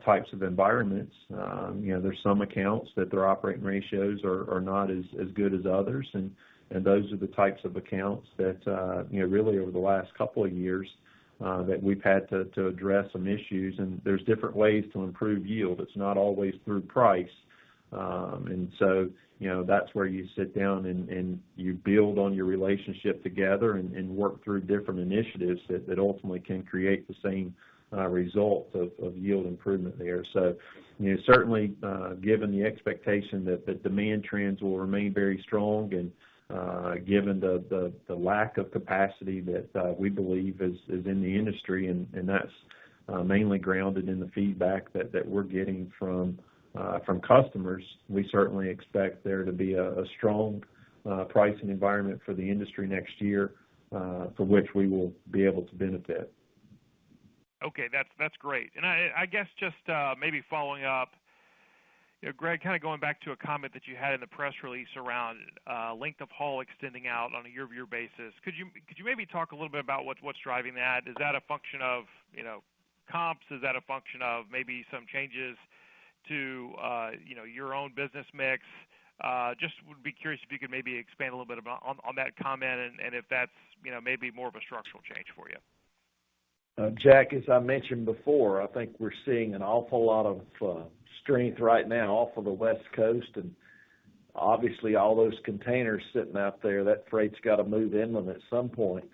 types of environments, you know, there's some accounts that their operating ratios are not as good as others. Those are the types of accounts that, you know, really over the last couple of years, that we've had to address some issues, and there's different ways to improve yield. It's not always through price. You know, that's where you sit down and you build on your relationship together and work through different initiatives that ultimately can create the same result of yield improvement there. You know, certainly, given the expectation that the demand trends will remain very strong and, given the lack of capacity that we believe is in the industry, and that's mainly grounded in the feedback that we're getting from customers, we certainly expect there to be a strong pricing environment for the industry next year, from which we will be able to benefit. Okay. That's great. I guess just maybe following up. You know, Greg, kinda going back to a comment that you had in the press release around length of haul extending out on a year-over-year basis. Could you maybe talk a little bit about what's driving that? Is that a function of, you know, comps? Is that a function of maybe some changes to, you know, your own business mix? Just would be curious if you could maybe expand a little bit about on that comment and if that's, you know, maybe more of a structural change for you. Jack, as I mentioned before, I think we're seeing an awful lot of strength right now off of the West Coast. Obviously all those containers sitting out there, that freight's gotta move inland at some point.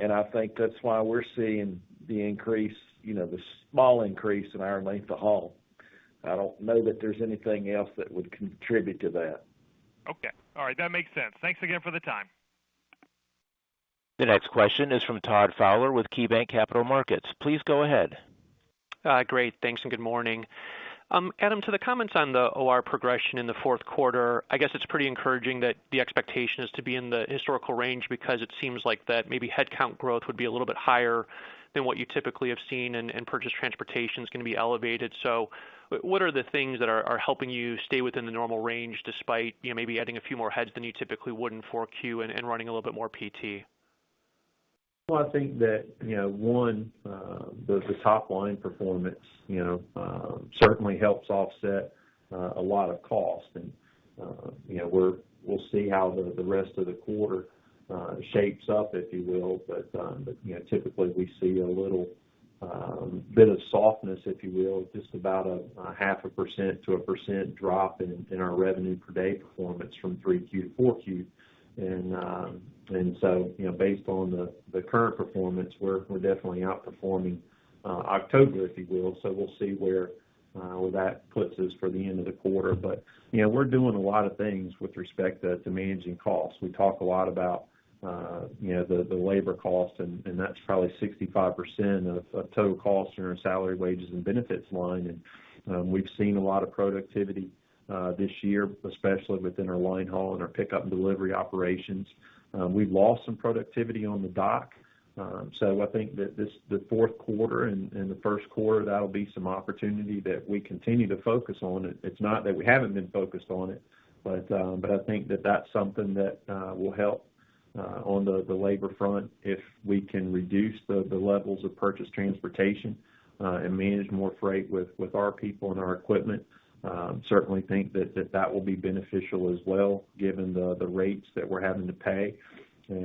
I think that's why we're seeing the increase, you know, the small increase in our length of haul. I don't know that there's anything else that would contribute to that. Okay. All right. That makes sense. Thanks again for the time. The next question is from Todd Fowler with KeyBanc Capital Markets. Please go ahead. Great. Thanks, and good morning. Adam, to the comments on the OR progression in the fourth quarter, I guess it's pretty encouraging that the expectation is to be in the historical range because it seems like that maybe headcount growth would be a little bit higher than what you typically have seen, and purchased transportation is gonna be elevated. What are the things that are helping you stay within the normal range despite, you know, maybe adding a few more heads than you typically would in 4Q and running a little bit more PT? Well, I think that, you know, one, the top line performance, you know, certainly helps offset a lot of cost. You know, we'll see how the rest of the quarter shapes up, if you will. You know, typically we see a little bit of softness, if you will, just about a 0.5%-1% drop in our revenue per day performance from 3Q to 4Q. You know, based on the current performance, we're definitely outperforming October, if you will. We'll see where that puts us for the end of the quarter. You know, we're doing a lot of things with respect to managing costs. We talk a lot about, you know, the labor cost, and that's probably 65% of total costs in our salary, wages, and benefits line. We've seen a lot of productivity this year, especially within our line haul and our pickup and delivery operations. We've lost some productivity on the dock. I think that this, the fourth quarter and the first quarter, that'll be some opportunity that we continue to focus on. It's not that we haven't been focused on it, but I think that that's something that will help on the labor front if we can reduce the levels of purchased transportation and manage more freight with our people and our equipment. Certainly think that that will be beneficial as well, given the rates that we're having to pay. You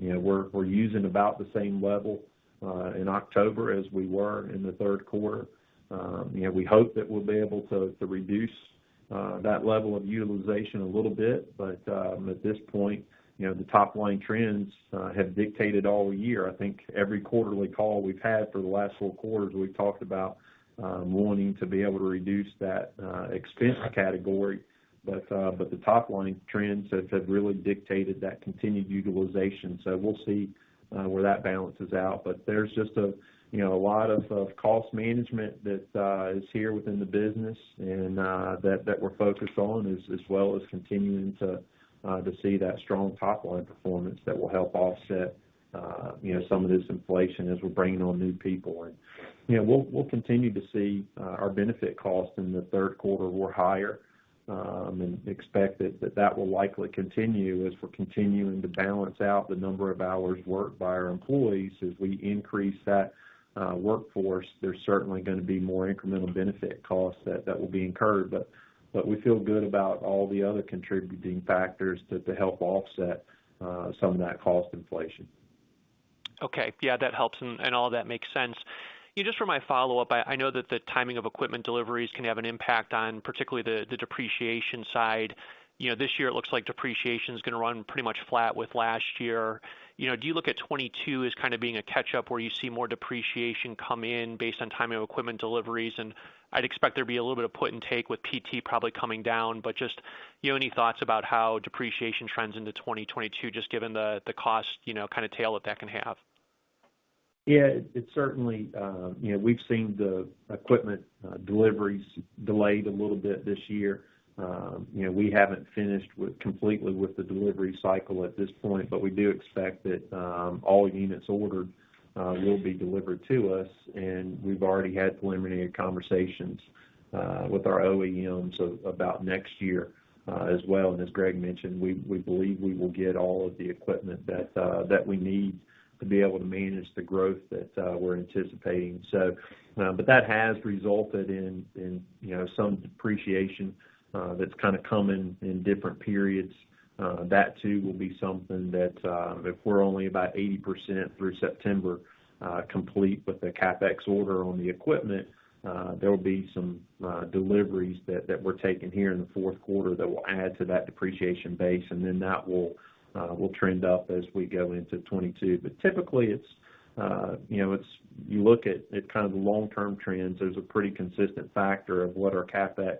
know, we're using about the same level in October as we were in the third quarter. You know, we hope that we'll be able to reduce that level of utilization a little bit. At this point, you know, the top-line trends have dictated all year. I think every quarterly call we've had for the last four quarters, we've talked about wanting to be able to reduce that expense category, but the top-line trends have really dictated that continued utilization. We'll see where that balances out. There's just a you know a lot of cost management that is here within the business and that we're focused on as well as continuing to see that strong top-line performance that will help offset you know some of this inflation as we're bringing on new people. You know we'll continue to see our benefit costs in the third quarter were higher and expect that will likely continue as we're continuing to balance out the number of hours worked by our employees. As we increase that workforce there's certainly gonna be more incremental benefit costs that will be incurred. We feel good about all the other contributing factors to help offset some of that cost inflation. Okay. Yeah, that helps and all that makes sense. Yeah, just for my follow-up, I know that the timing of equipment deliveries can have an impact on particularly the depreciation side. You know, this year it looks like depreciation is gonna run pretty much flat with last year. You know, do you look at 2022 as kind of being a catch-up where you see more depreciation come in based on timing of equipment deliveries? And I'd expect there'd be a little bit of put and take with PT probably coming down. But just, you know, any thoughts about how depreciation trends into 2022 just given the cost, you know, kind of tail that can have? Yeah, it certainly, you know, we've seen the equipment deliveries delayed a little bit this year. You know, we haven't finished completely with the delivery cycle at this point, but we do expect that all units ordered will be delivered to us, and we've already had preliminary conversations with our OEMs about next year, as well. As Greg mentioned, we believe we will get all of the equipment that we need to be able to manage the growth that we're anticipating. But that has resulted in, you know, some depreciation that's kind of coming in different periods. That too will be something that, if we're only about 80% through September complete with the CapEx order on the equipment, there will be some deliveries that we're taking here in the fourth quarter that will add to that depreciation base, and then that will trend up as we go into 2022. Typically, you know, you look at kind of the long-term trends, there's a pretty consistent factor of what our CapEx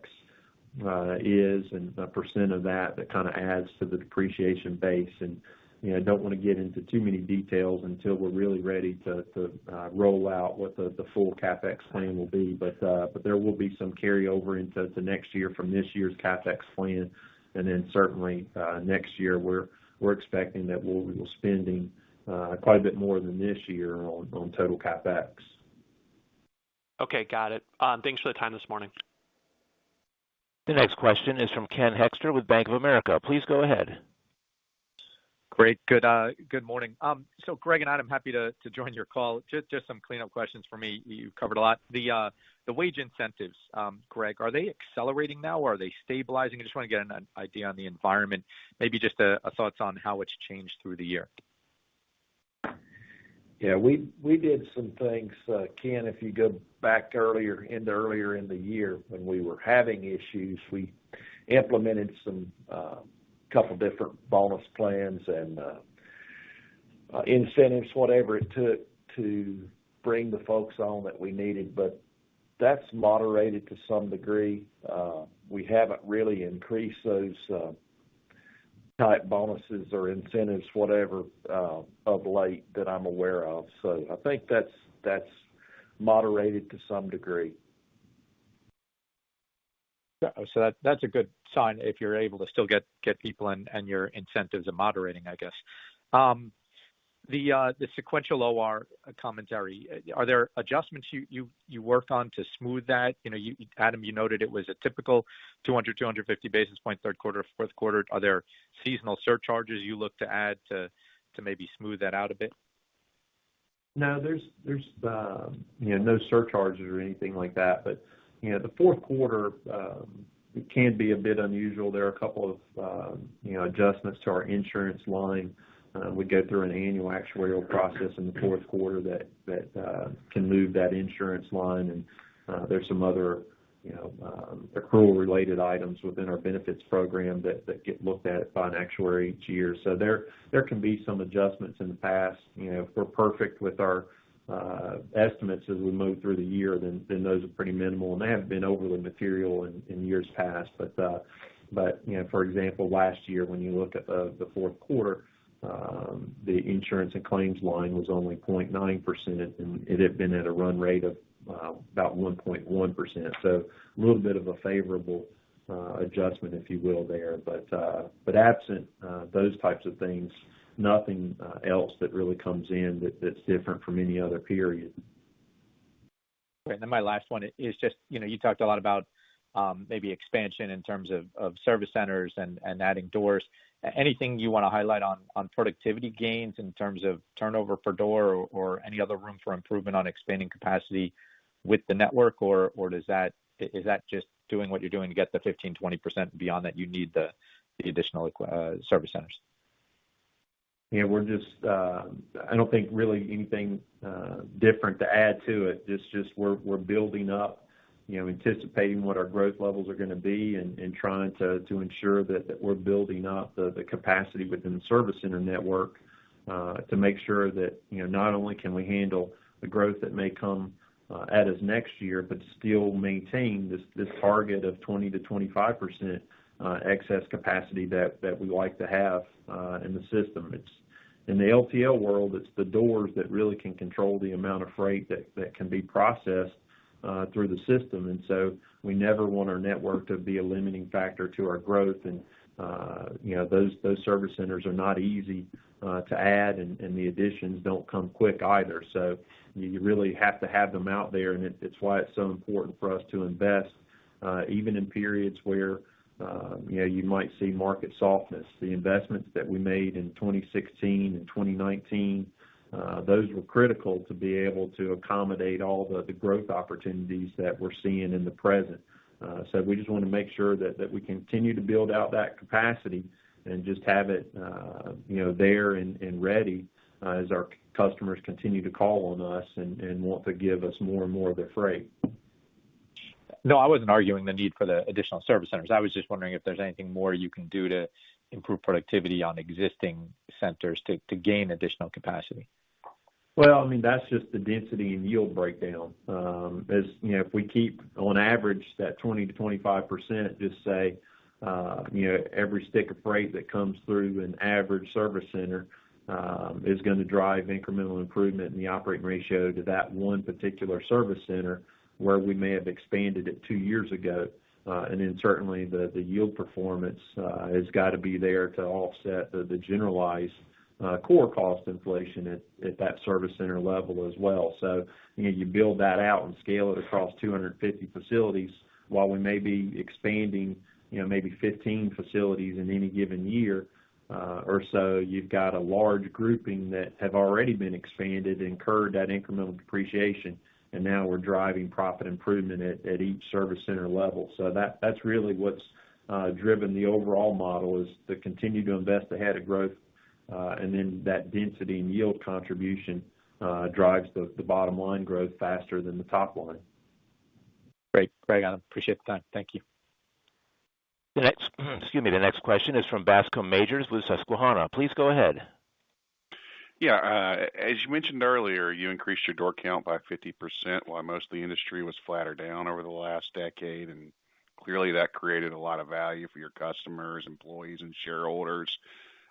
is and a percent of that that kind of adds to the depreciation base. You know, I don't want to get into too many details until we're really ready to roll out what the full CapEx plan will be. There will be some carryover into the next year from this year's CapEx plan. Certainly, next year we're expecting that we'll be spending quite a bit more than this year on total CapEx. Okay. Got it. Thanks for the time this morning. The next question is from Ken Hoexter with Bank of America. Please go ahead. Great. Good morning. Greg and Adam, happy to join your call. Just some cleanup questions for me. You covered a lot. The wage incentives, Greg, are they accelerating now or are they stabilizing? I just want to get an idea on the environment, maybe just a thoughts on how it's changed through the year. Yeah, we did some things, Ken, if you go back earlier in the year when we were having issues, we implemented some couple different bonus plans and incentives, whatever it took to bring the folks on that we needed. That's moderated to some degree. We haven't really increased those type bonuses or incentives, whatever of late that I'm aware of. I think that's moderated to some degree. Yeah. That's a good sign if you're able to still get people and your incentives are moderating, I guess. The sequential OR commentary, are there adjustments you worked on to smooth that? You know, Adam, you noted it was a typical 200-250 basis point third quarter, fourth quarter. Are there seasonal surcharges you look to add to maybe smooth that out a bit? No, there's you know, no surcharges or anything like that. You know, the fourth quarter can be a bit unusual. There are a couple of you know, adjustments to our insurance line. We go through an annual actuarial process in the fourth quarter that can move that insurance line. There's some other you know, accrual related items within our benefits program that get looked at by an actuary each year. There can be some adjustments in the past. You know, if we're perfect with our estimates as we move through the year, then those are pretty minimal, and they haven't been overly material in years past. You know, for example, last year when you look at the fourth quarter, the insurance and claims line was only 0.9%, and it had been at a run rate of about 1.1%. A little bit of a favorable adjustment, if you will, there. Absent those types of things, nothing else that really comes in that's different from any other period. Great. My last one is just, you know, you talked a lot about maybe expansion in terms of service centers and adding doors. Anything you want to highlight on productivity gains in terms of turnover per door or any other room for improvement on expanding capacity with the network? Or is that just doing what you're doing to get the 15%-20% and beyond that you need the additional service centers? Yeah, we're just, I don't think really anything different to add to it. It's just we're building up, you know, anticipating what our growth levels are going to be and trying to ensure that we're building up the capacity within the service center network to make sure that, you know, not only can we handle the growth that may come at us next year, but still maintain this target of 20%-25% excess capacity that we like to have in the system. In the LTL world, it's the doors that really can control the amount of freight that can be processed through the system. We never want our network to be a limiting factor to our growth. You know, those service centers are not easy to add, and the additions don't come quick either. You really have to have them out there. It's why it's so important for us to invest, even in periods where you know, you might see market softness. The investments that we made in 2016 and 2019, those were critical to be able to accommodate all the growth opportunities that we're seeing in the present. We just want to make sure that we continue to build out that capacity and just have it, you know, there and ready, as our customers continue to call on us and want to give us more and more of their freight. No, I wasn't arguing the need for the additional service centers. I was just wondering if there's anything more you can do to improve productivity on existing centers to gain additional capacity. Well, I mean, that's just the density and yield breakdown. As you know, if we keep on average that 20%-25%, just say, you know, every stick of freight that comes through an average service center is gonna drive incremental improvement in the operating ratio to that one particular service center where we may have expanded it two years ago. Certainly the yield performance has got to be there to offset the generalized core cost inflation at that service center level as well. You build that out and scale it across 250 facilities while we may be expanding, you know, maybe 15 facilities in any given year, or so you've got a large grouping that have already been expanded and incurred that incremental depreciation, and now we're driving profit improvement at each service center level. That's really what's driven the overall model, is to continue to invest ahead of growth, and then that density and yield contribution drives the bottom line growth faster than the top line. Great. Greg, I appreciate the time. Thank you. Excuse me. The next question is from Bascome Majors of Susquehanna. Please go ahead. Yeah. As you mentioned earlier, you increased your door count by 50% while most of the industry was flat or down over the last decade, and clearly that created a lot of value for your customers, employees, and shareholders.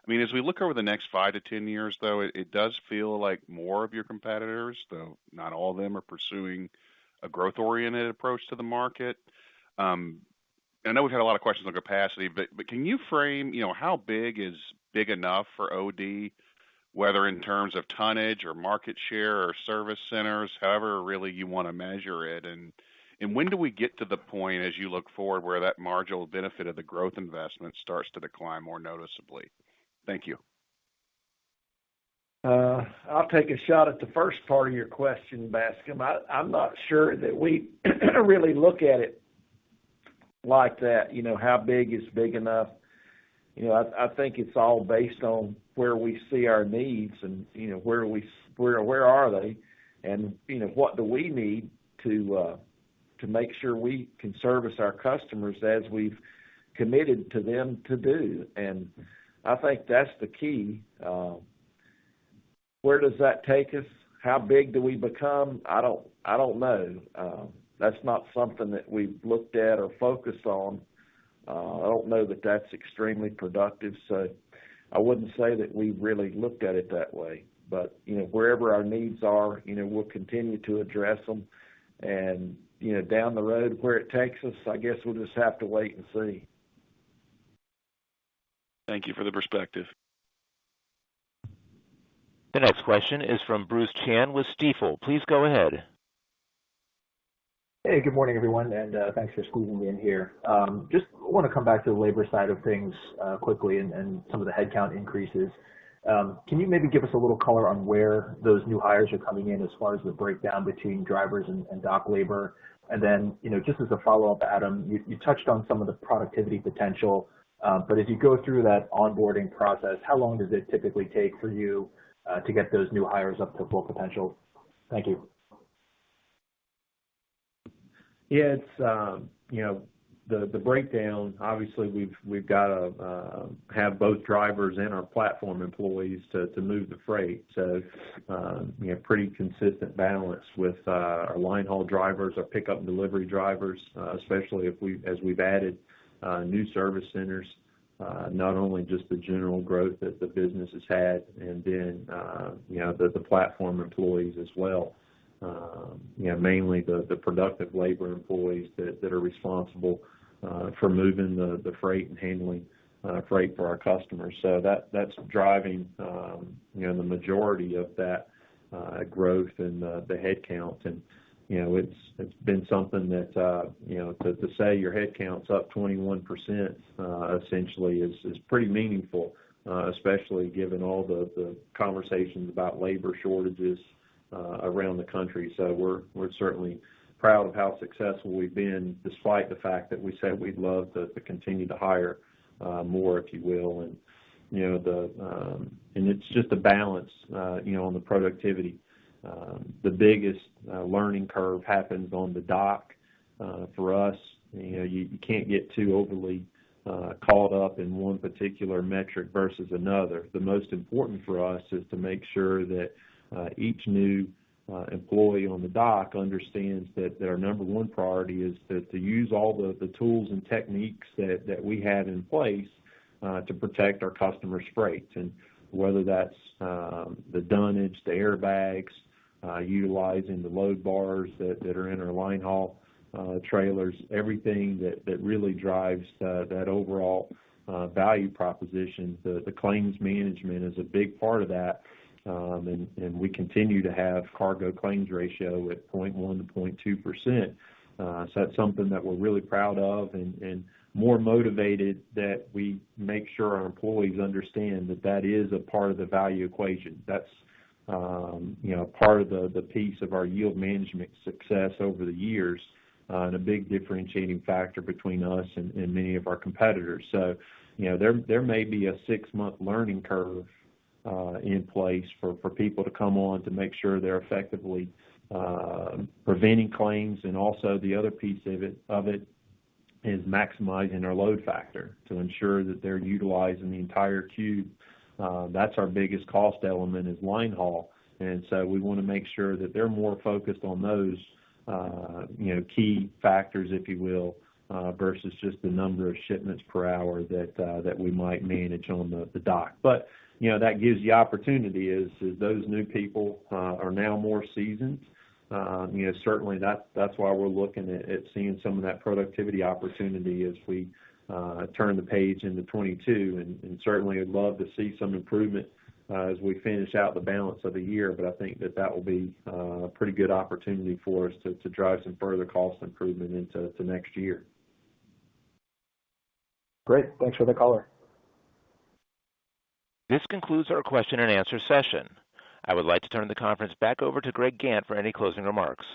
I mean, as we look over the next 5 to 10 years, though, it does feel like more of your competitors, though not all of them, are pursuing a growth-oriented approach to the market. I know we've had a lot of questions on capacity, but can you frame, you know, how big is big enough for OD, whether in terms of tonnage or market share or service centers, however really you want to measure it. When do we get to the point, as you look forward, where that marginal benefit of the growth investment starts to decline more noticeably? Thank you. I'll take a shot at the first part of your question, Bascome. I'm not sure that we really look at it like that. You know, how big is big enough? You know, I think it's all based on where we see our needs and, you know, where are they and, you know, what do we need to to make sure we can service our customers as we've committed to them to do. I think that's the key. Where does that take us? How big do we become? I don't know. That's not something that we've looked at or focused on. I don't know that that's extremely productive, so I wouldn't say that we really looked at it that way. You know, wherever our needs are, you know, we'll continue to address them. You know, down the road where it takes us, I guess we'll just have to wait and see. Thank you for the perspective. The next question is from Bruce Chan with Stifel. Please go ahead. Hey, good morning, everyone and thanks for squeezing me in here. I just want to come back to the labor side of things quickly and some of the headcount increases. Can you maybe give us a little color on where those new hires are coming in as far as the breakdown between drivers and dock labor? You know, just as a follow-up, Adam, you touched on some of the productivity potential, but as you go through that onboarding process, how long does it typically take for you to get those new hires up to full potential? Thank you. Yes, you know, the breakdown, obviously, we've got to have both drivers and our platform employees to move the freight. You know, pretty consistent balance with our line haul drivers, our pickup and delivery drivers, especially as we've added new service centers, not only just the general growth that the business has had and then, you know, the platform employees as well. You know, mainly the productive labor employees that are responsible for moving the freight and handling freight for our customers. That's driving the majority of that growth and the headcount. You know, it's been something that you know, to say your headcounts up 21%, essentially is pretty meaningful, especially given all the conversations about labor shortages around the country. We're certainly proud of how successful we've been, despite the fact that we said we'd love to continue to hire more, if you will. You know, it's just a balance you know, on the productivity. The biggest learning curve happens on the dock for us. You know, you can't get too overly caught up in one particular metric versus another. The most important for us is to make sure that each new employee on the dock understands that their number one priority is to use all the tools and techniques that we have in place to protect our customers' freight. Whether that's the dunnage, the airbags, utilizing the load bars that are in our line haul trailers, everything that really drives that overall value proposition. The claims management is a big part of that, and we continue to have cargo claims ratio at 0.1%-0.2%. That's something that we're really proud of and more motivated that we make sure our employees understand that that is a part of the value equation. That's, you know, part of the piece of our yield management success over the years, and a big differentiating factor between us and many of our competitors. You know, there may be a six-month learning curve in place for people to come on to make sure they're effectively preventing claims. Also the other piece of it is maximizing our load factor to ensure that they're utilizing the entire cube. That's our biggest cost element is line haul. We want to make sure that they're more focused on those, you know, key factors, if you will, versus just the number of shipments per hour that we might manage on the dock. You know, that gives you opportunity as those new people are now more seasoned. You know, certainly that's why we're looking at seeing some of that productivity opportunity as we turn the page into 2022. Certainly we'd love to see some improvement as we finish out the balance of the year. I think that will be a pretty good opportunity for us to drive some further cost improvement into the next year. Great. Thanks for the color. This concludes our question and answer session. I would like to turn the conference back over to Greg Gantt for any closing remarks.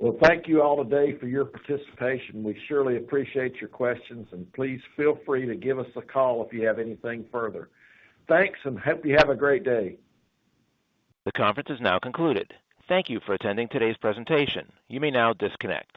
Well, thank you all today for your participation. We surely appreciate your questions, and please feel free to give us a call if you have anything further. Thanks, and hope you have a great day. The conference is now concluded. Thank you for attending today's presentation. You may now disconnect.